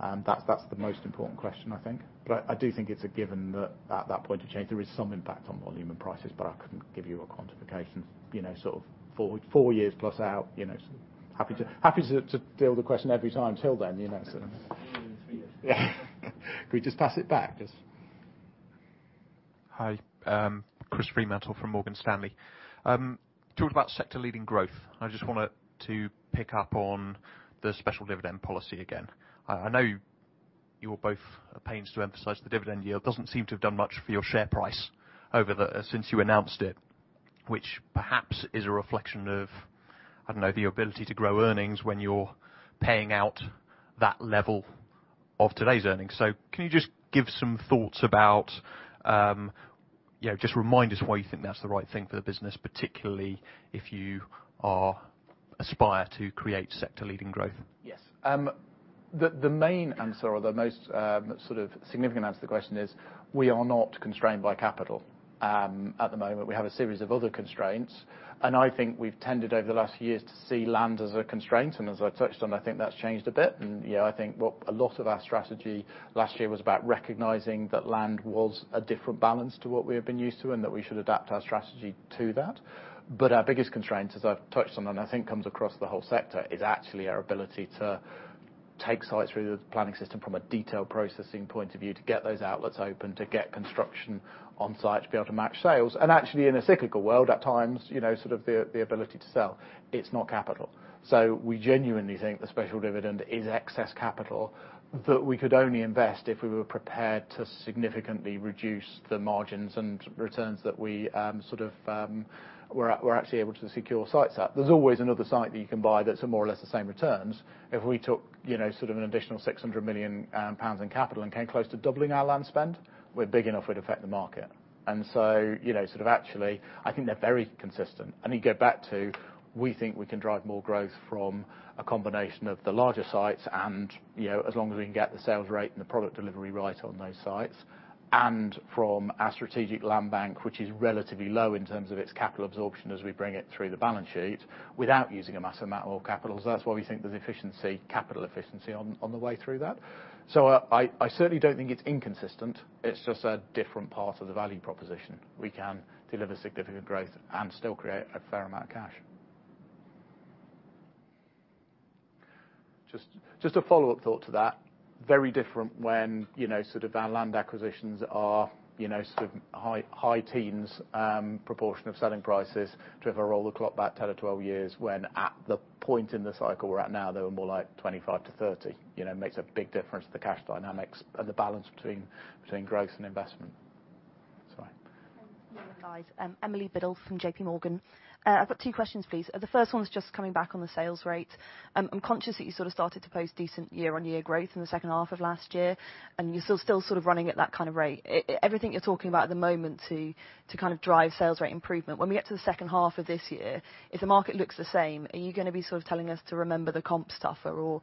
That's the most important question, I think. I do think it's a given that at that point of change, there is some impact on volume and prices, but I couldn't give you a quantification sort of four years plus out. Happy to deal with the question every time till then. Even in three years. Can we just pass it back? Hi. Chris Fremantle from Morgan Stanley. Talked about sector leading growth. I just wanted to pick up on the special dividend policy again. I know you were both at pains to emphasize the dividend yield. It doesn't seem to have done much for your share price since you announced it, which perhaps is a reflection of, I don't know, the ability to grow earnings when you're paying out that level of today's earnings. Can you just give some thoughts, just remind us why you think that's the right thing for the business, particularly if you aspire to create sector leading growth? Yes. The main answer, or the most sort of significant answer to the question is, we are not constrained by capital. At the moment, we have a series of other constraints, and I think we've tended over the last years to see land as a constraint. As I touched on, I think that's changed a bit. Yeah, I think a lot of our strategy last year was about recognizing that land was a different balance to what we have been used to, and that we should adapt our strategy to that. Our biggest constraint, as I've touched on, and I think comes across the whole sector, is actually our ability to take sites through the planning system from a detailed processing point of view, to get those outlets open, to get construction on site, to be able to match sales. Actually, in a cyclical world, at times sort of the ability to sell, it's not capital. We genuinely think the special dividend is excess capital that we could only invest if we were prepared to significantly reduce the margins and returns that we're actually able to secure sites at. There's always another site that you can buy that's more or less the same returns. If we took sort of an additional 600 million pounds in capital and came close to doubling our land spend, we're big enough it would affect the market. Actually, I think they're very consistent. You go back to, we think we can drive more growth from a combination of the larger sites and as long as we can get the sales rate and the product delivery right on those sites. From our strategic land bank, which is relatively low in terms of its capital absorption as we bring it through the balance sheet, without using a massive amount of capital. That's why we think there's efficiency, capital efficiency on the way through that. I certainly don't think it's inconsistent. It's just a different part of the value proposition. We can deliver significant growth and still create a fair amount of cash. Just a follow-up thought to that. Very different when sort of our land acquisitions are sort of high teens proportion of selling prices to if I roll the clock back 10 or 12 years when at the point in the cycle we're at now, they were more like 25% to 30%. Makes a big difference to the cash dynamics and the balance between growth and investment. Hi guys. Emily Bédouet from JPMorgan. I've got two questions, please. The first one is just coming back on the sales rate. I'm conscious that you sort of started to post decent year-on-year growth in the second half of last year, and you're still sort of running at that kind of rate. Everything you're talking about at the moment to kind of drive sales rate improvement, when we get to the second half of this year, if the market looks the same, are you going to be sort of telling us to remember the comp stuff, or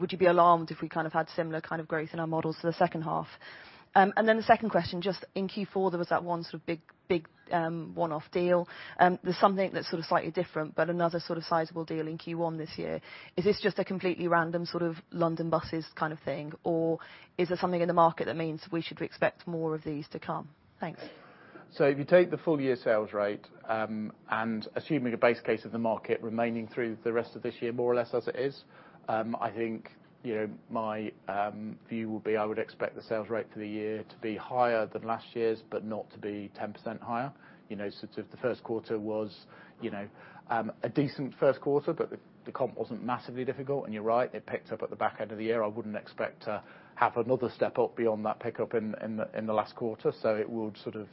would you be alarmed if we kind of had similar kind of growth in our models for the second half? Then the second question, just in Q4, there was that one sort of big one-off deal. There's something that's sort of slightly different, but another sort of sizable deal in Q1 this year. Is this just a completely random sort of London buses kind of thing, or is there something in the market that means we should expect more of these to come? Thanks. If you take the full year sales rate, assuming a base case of the market remaining through the rest of this year, more or less as it is, I think my view will be, I would expect the sales rate for the year to be higher than last year's, but not to be 10% higher. The first quarter was a decent first quarter, but the comp wasn't massively difficult. You're right, it picked up at the back end of the year. I wouldn't expect to have another step up beyond that pickup in the last quarter. It would sort of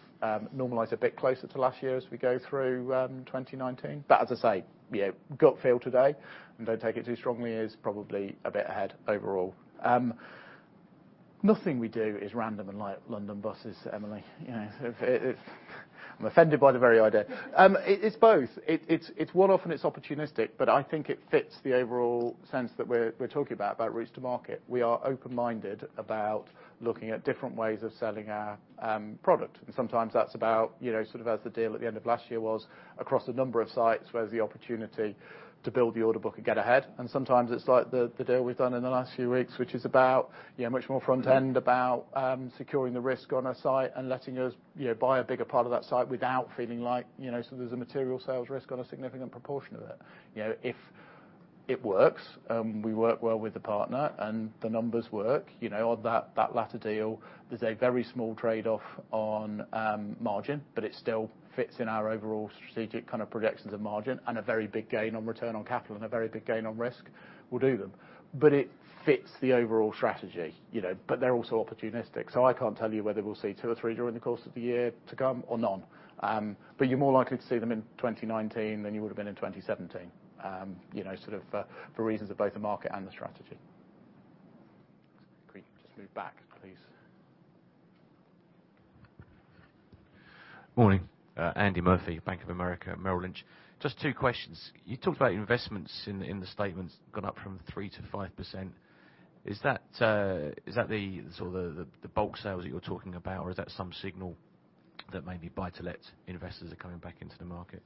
normalize a bit closer to last year as we go through 2019. As I say, gut feel today, and don't take it too strongly, it is probably a bit ahead overall. Nothing we do is random and like London buses, Emily Bédouet. I'm offended by the very idea. It's both. One often it's opportunistic, but I think it fits the overall sense that we're talking about routes to market. We are open-minded about looking at different ways of selling our product. Sometimes that's about, sort of as the deal at the end of last year was, across a number of sites, where there's the opportunity to build the order book and get ahead. Sometimes it's like the deal we've done in the last few weeks, which is about much more front end, about securing the risk on a site and letting us buy a bigger part of that site without feeling like there's a material sales risk on a significant proportion of it. If it works, we work well with the partner, and the numbers work. On that latter deal, there's a very small trade-off on margin, but it still fits in our overall strategic kind of projections of margin, and a very big gain on return on capital and a very big gain on risk. We'll do them. It fits the overall strategy, but they're also opportunistic. I can't tell you whether we'll see two or three during the course of the year to come or none. You're more likely to see them in 2019 than you would have been in 2017, sort of for reasons of both the market and the strategy. Can we just move back, please? Morning. Andy Murphy, Bank of America Merrill Lynch. Just two questions. You talked about investments in the statements gone up from 3% to 5%. Is that the sort of the bulk sales that you're talking about, or is that some signal that maybe buy-to-let investors are coming back into the market?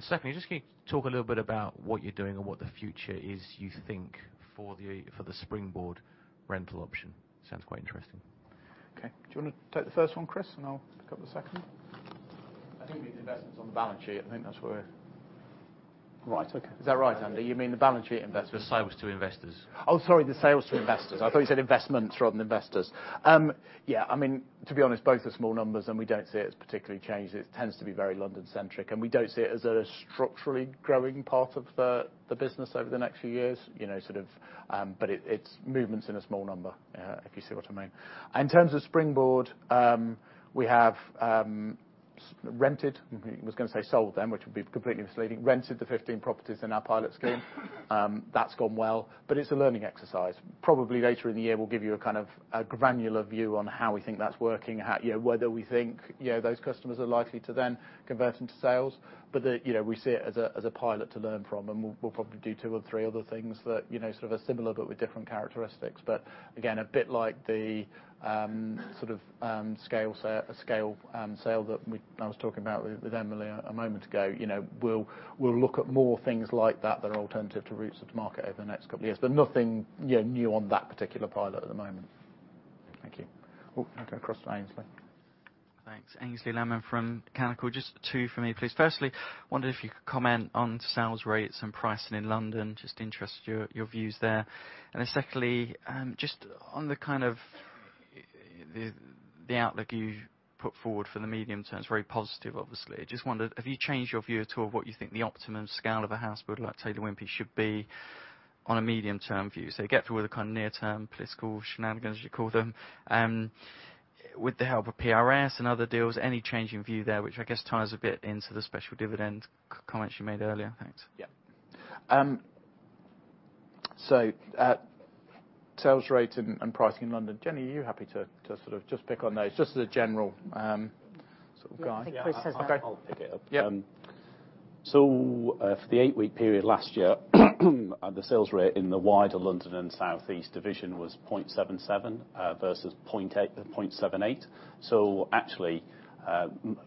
Secondly, just can you talk a little bit about what you're doing and what the future is you think for the Springboard rental option? Sounds quite interesting. Okay. Do you want to take the first one, Chris, and I'll pick up the second one? I think the investment's on the balance sheet. Right. Okay. Is that right, Andy? You mean the balance sheet investment? The sales to investors. Sorry, the sales to investors. I thought you said investments rather than investors. I mean, to be honest, both are small numbers, and we don't see it as particularly changed. It tends to be very London-centric, and we don't see it as a structurally growing part of the business over the next few years. It's movements in a small number, if you see what I mean. In terms of Springboard, we have rented, I was going to say sold them, which would be completely misleading, rented the 15 properties in our pilot scheme. That's gone well. It's a learning exercise. Probably later in the year, we'll give you a kind of granular view on how we think that's working, whether we think those customers are likely to then convert into sales. We see it as a pilot to learn from. We'll probably do two or three other things that sort of are similar but with different characteristics. Again, a bit like the sort of scale sale that I was talking about with Emily a moment ago. We'll look at more things like that are alternative to routes of market over the next couple of years, nothing new on that particular pilot at the moment. Thank you. We'll go across to Aynsley. Thanks. Aynsley Lammin from Canaccord. Just two from me, please. Firstly, wondered if you could comment on sales rates and pricing in London. Just interested in your views there. Secondly, just on the kind of the outlook you put forward for the medium term, it's very positive, obviously. Just wondered, have you changed your view at all of what you think the optimum scale of a house builder like Taylor Wimpey should be on a medium term view? You get through the kind of near term political shenanigans you call them. With the help of PRS and other deals, any change in view there, which I guess ties a bit into the special dividend comments you made earlier? Thanks. Yeah. Sales rate and pricing in London. Jennie, are you happy to just pick on those, just as a general guide? I think Chris has that. Yeah, I'll pick it up. Yeah. For the 8-week period last year, the sales rate in the wider London and Southeast division was 0.77 versus 0.78. Actually,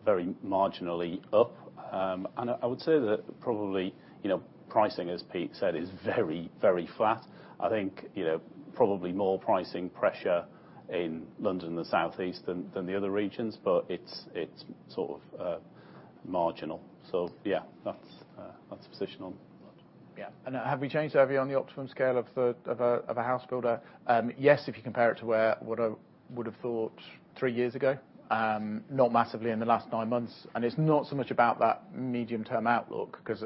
very marginally up. I would say that probably pricing, as Pete said, is very, very flat. I think probably more pricing pressure in London and the Southeast than the other regions, but it's sort of marginal. Yeah, that's the position on that. Yeah. Have we changed our view on the optimum scale of a house builder? Yes, if you compare it to what I would have thought 3 years ago. Not massively in the last 9 months. It's not so much about that medium term outlook, because,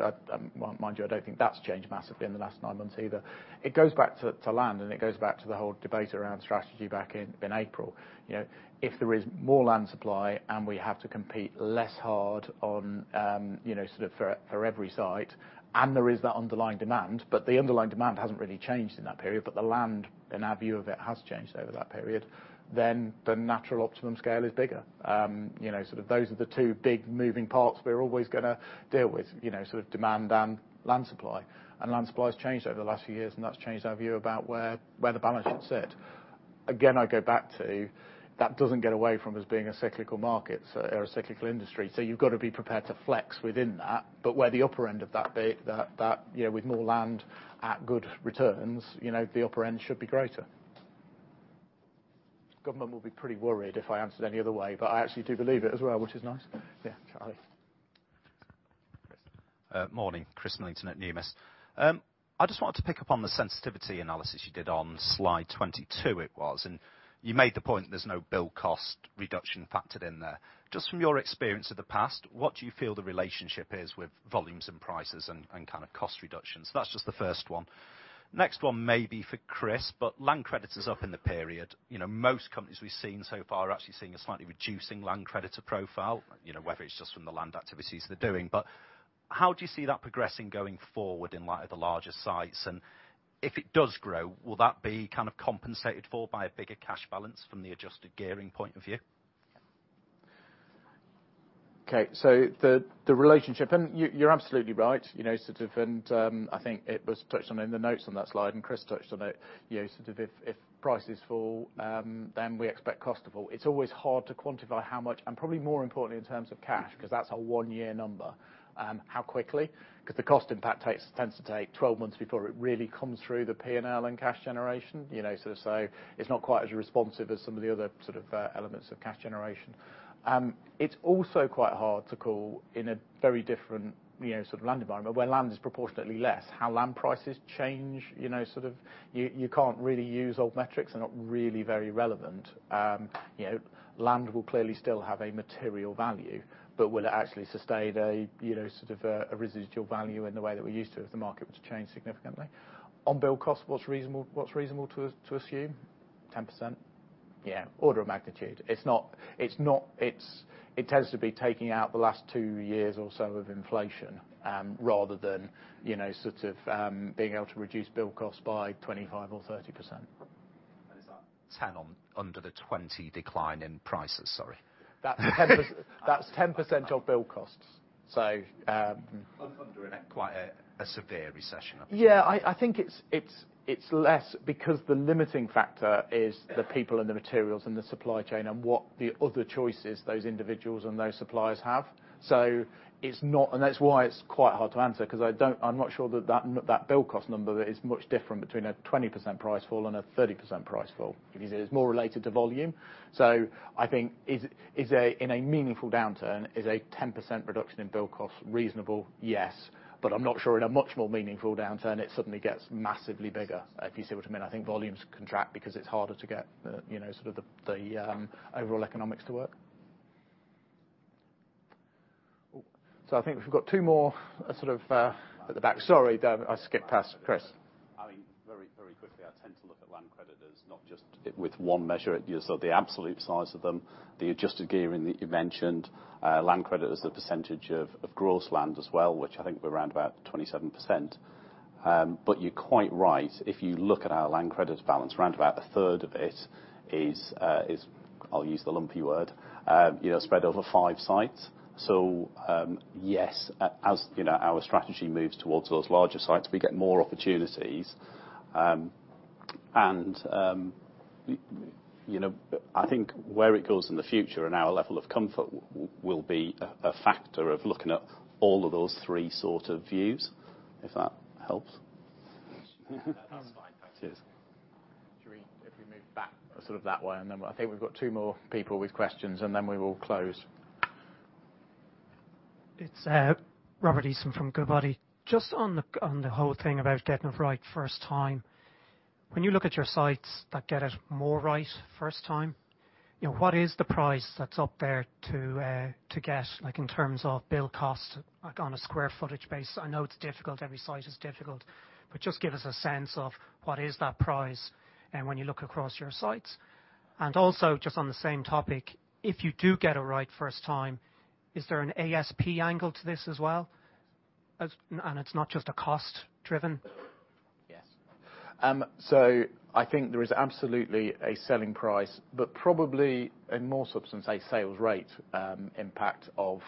mind you, I don't think that's changed massively in the last 9 months either. It goes back to land, and it goes back to the whole debate around strategy back in April. If there is more land supply and we have to compete less hard for every site, and there is that underlying demand, but the underlying demand hasn't really changed in that period, but the land, in our view of it, has changed over that period, then the natural optimum scale is bigger. Those are the 2 big moving parts we're always going to deal with, demand and land supply. Land supply has changed over the last few years, and that's changed our view about where the balance should sit. Again, I go back to, that doesn't get away from us being a cyclical market or a cyclical industry, so you've got to be prepared to flex within that. Where the upper end of that bit, with more land at good returns, the upper end should be greater. Government will be pretty worried if I answered any other way, but I actually do believe it as well, which is nice. Yeah. Charlie. Chris. Morning, Chris Millington at Numis. I just wanted to pick up on the sensitivity analysis you did on slide 22. You made the point there's no build cost reduction factored in there. Just from your experience of the past, what do you feel the relationship is with volumes and prices and cost reductions? That's just the first one. Next one may be for Chris, but land credit is up in the period. Most companies we've seen so far are actually seeing a slightly reducing land creditor profile, whether it's just from the land activities they're doing. How do you see that progressing going forward in light of the larger sites? If it does grow, will that be compensated for by a bigger cash balance from the adjusted gearing point of view? The relationship, you're absolutely right. I think it was touched on in the notes on that slide, and Chris touched on it. If prices fall, we expect cost to fall. It's always hard to quantify how much, and probably more importantly in terms of cash, because that's our one-year number. How quickly, because the cost impact tends to take 12 months before it really comes through the P&L and cash generation. It's not quite as responsive as some of the other elements of cash generation. It's also quite hard to call in a very different land environment where land is proportionately less. How land prices change, you can't really use old metrics. They're not really very relevant. Land will clearly still have a material value, will it actually sustain a residual value in the way that we're used to if the market were to change significantly? On build cost, what's reasonable to assume? 10%? Yeah. Order of magnitude. It tends to be taking out the last two years or so of inflation, rather than being able to reduce build cost by 25% or 30%. Is that 10 on under the 20 decline in prices? Sorry. That's 10% of build costs. Under quite a severe recession, I presume. Yeah, I think it's less because the limiting factor is the people and the materials and the supply chain and what the other choices those individuals and those suppliers have. That's why it's quite hard to answer, because I'm not sure that that build cost number is much different between a 20% price fall and a 30% price fall. It is more related to volume. I think in a meaningful downturn, is a 10% reduction in build cost reasonable? Yes. I'm not sure in a much more meaningful downturn, it suddenly gets massively bigger, if you see what I mean. I think volumes contract because it's harder to get the overall economics to work. I think we've got two more at the back. Sorry, I skipped past Chris. Very quickly, I tend to look at land credit as not just with one measure. The absolute size of them, the adjusted gearing that you mentioned, land credit as a percentage of gross land as well, which I think we're around about 27%. You're quite right. If you look at our land credit balance, around about a third of it is, I'll use the lumpy word, spread over five sites. Yes, as our strategy moves towards those larger sites, we get more opportunities. I think where it goes in the future and our level of comfort will be a factor of looking at all of those three sort of views, if that helps. That's fine. Thank you. Cheers. If we move back that way, then I think we've got two more people with questions, then we will close. Robert Easton from Goodbody. Just on the whole thing about getting it right first time. When you look at your sites that get it more right first time, what is the prize that's up there to get in terms of build cost on a square footage basis? I know it's difficult. Every site is difficult. Just give us a sense of what is that prize and when you look across your sites. Just on the same topic, if you do get it right first time, is there an ASP angle to this as well, and it's not just a cost-driven? Yes. I think there is absolutely a selling price, but probably in more substance, a sales rate impact of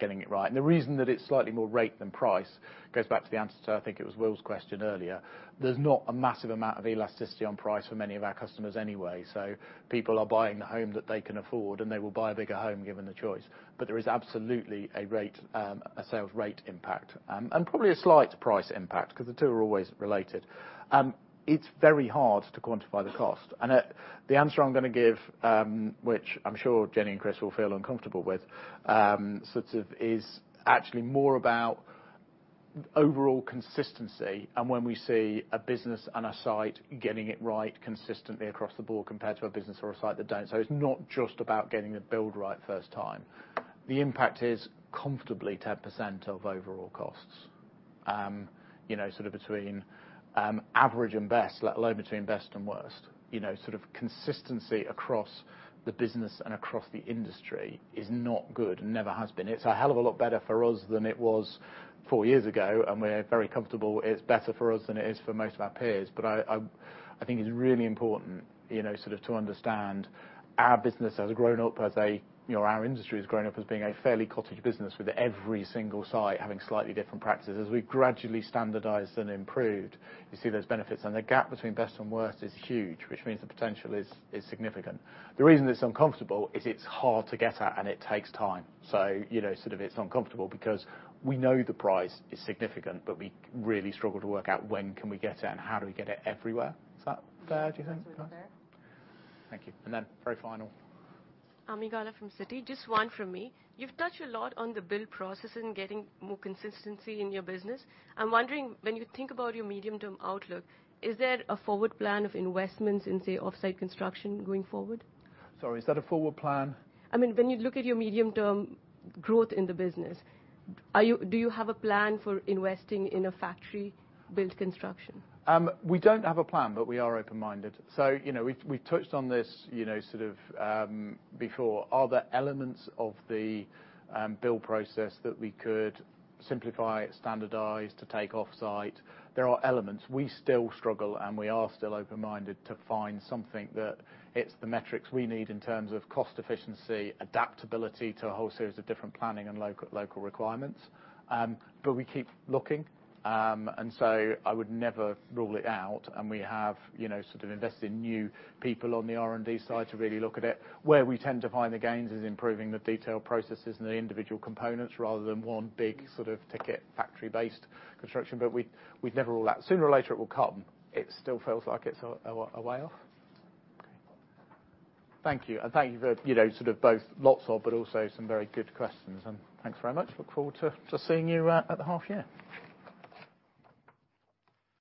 getting it right. The reason that it's slightly more rate than price goes back to the answer to, I think it was Will's question earlier. There's not a massive amount of elasticity on price for many of our customers anyway. People are buying the home that they can afford, and they will buy a bigger home given the choice. There is absolutely a sales rate impact. Probably a slight price impact, because the two are always related. It's very hard to quantify the cost. The answer I'm going to give, which I'm sure Jennie and Chris will feel uncomfortable with, is actually more about overall consistency and when we see a business and a site getting it right consistently across the board compared to a business or a site that don't. It's not just about getting the build right first time. The impact is comfortably 10% of overall costs. Between average and best, let alone between best and worst. Consistency across the business and across the industry is not good and never has been. It's a hell of a lot better for us than it was four years ago, and we're very comfortable it's better for us than it is for most of our peers. I think it's really important to understand our industry has grown up as being a fairly cottage business with every single site having slightly different practices. As we gradually standardized and improved, you see those benefits and the gap between best and worst is huge, which means the potential is significant. The reason it's uncomfortable is it's hard to get at and it takes time. It's uncomfortable because we know the prize is significant, but we really struggle to work out when can we get it and how do we get it everywhere. Is that fair, do you think? That's fair. Thank you. Then very final. Ami Galla from Citi. Just one from me. You've touched a lot on the build process and getting more consistency in your business. I'm wondering, when you think about your medium-term outlook, is there a forward plan of investments in, say, offsite construction going forward? Sorry, is that a forward plan? When you look at your medium-term growth in the business, do you have a plan for investing in a factory build construction? We don't have a plan, but we are open-minded. We've touched on this sort of, before. Are there elements of the build process that we could simplify, standardize to take offsite? There are elements. We still struggle, and we are still open-minded to find something that it's the metrics we need in terms of cost efficiency, adaptability to a whole series of different planning and local requirements. We keep looking. I would never rule it out, and we have invested in new people on the R&D side to really look at it. Where we tend to find the gains is improving the detailed processes and the individual components rather than one big sort of ticket factory-based construction. We'd never rule out. Sooner or later it will come. It still feels like it's a way off. Thank you. Thank you for sort of both lots of, but also some very good questions. Thanks very much. Look forward to seeing you at the half year.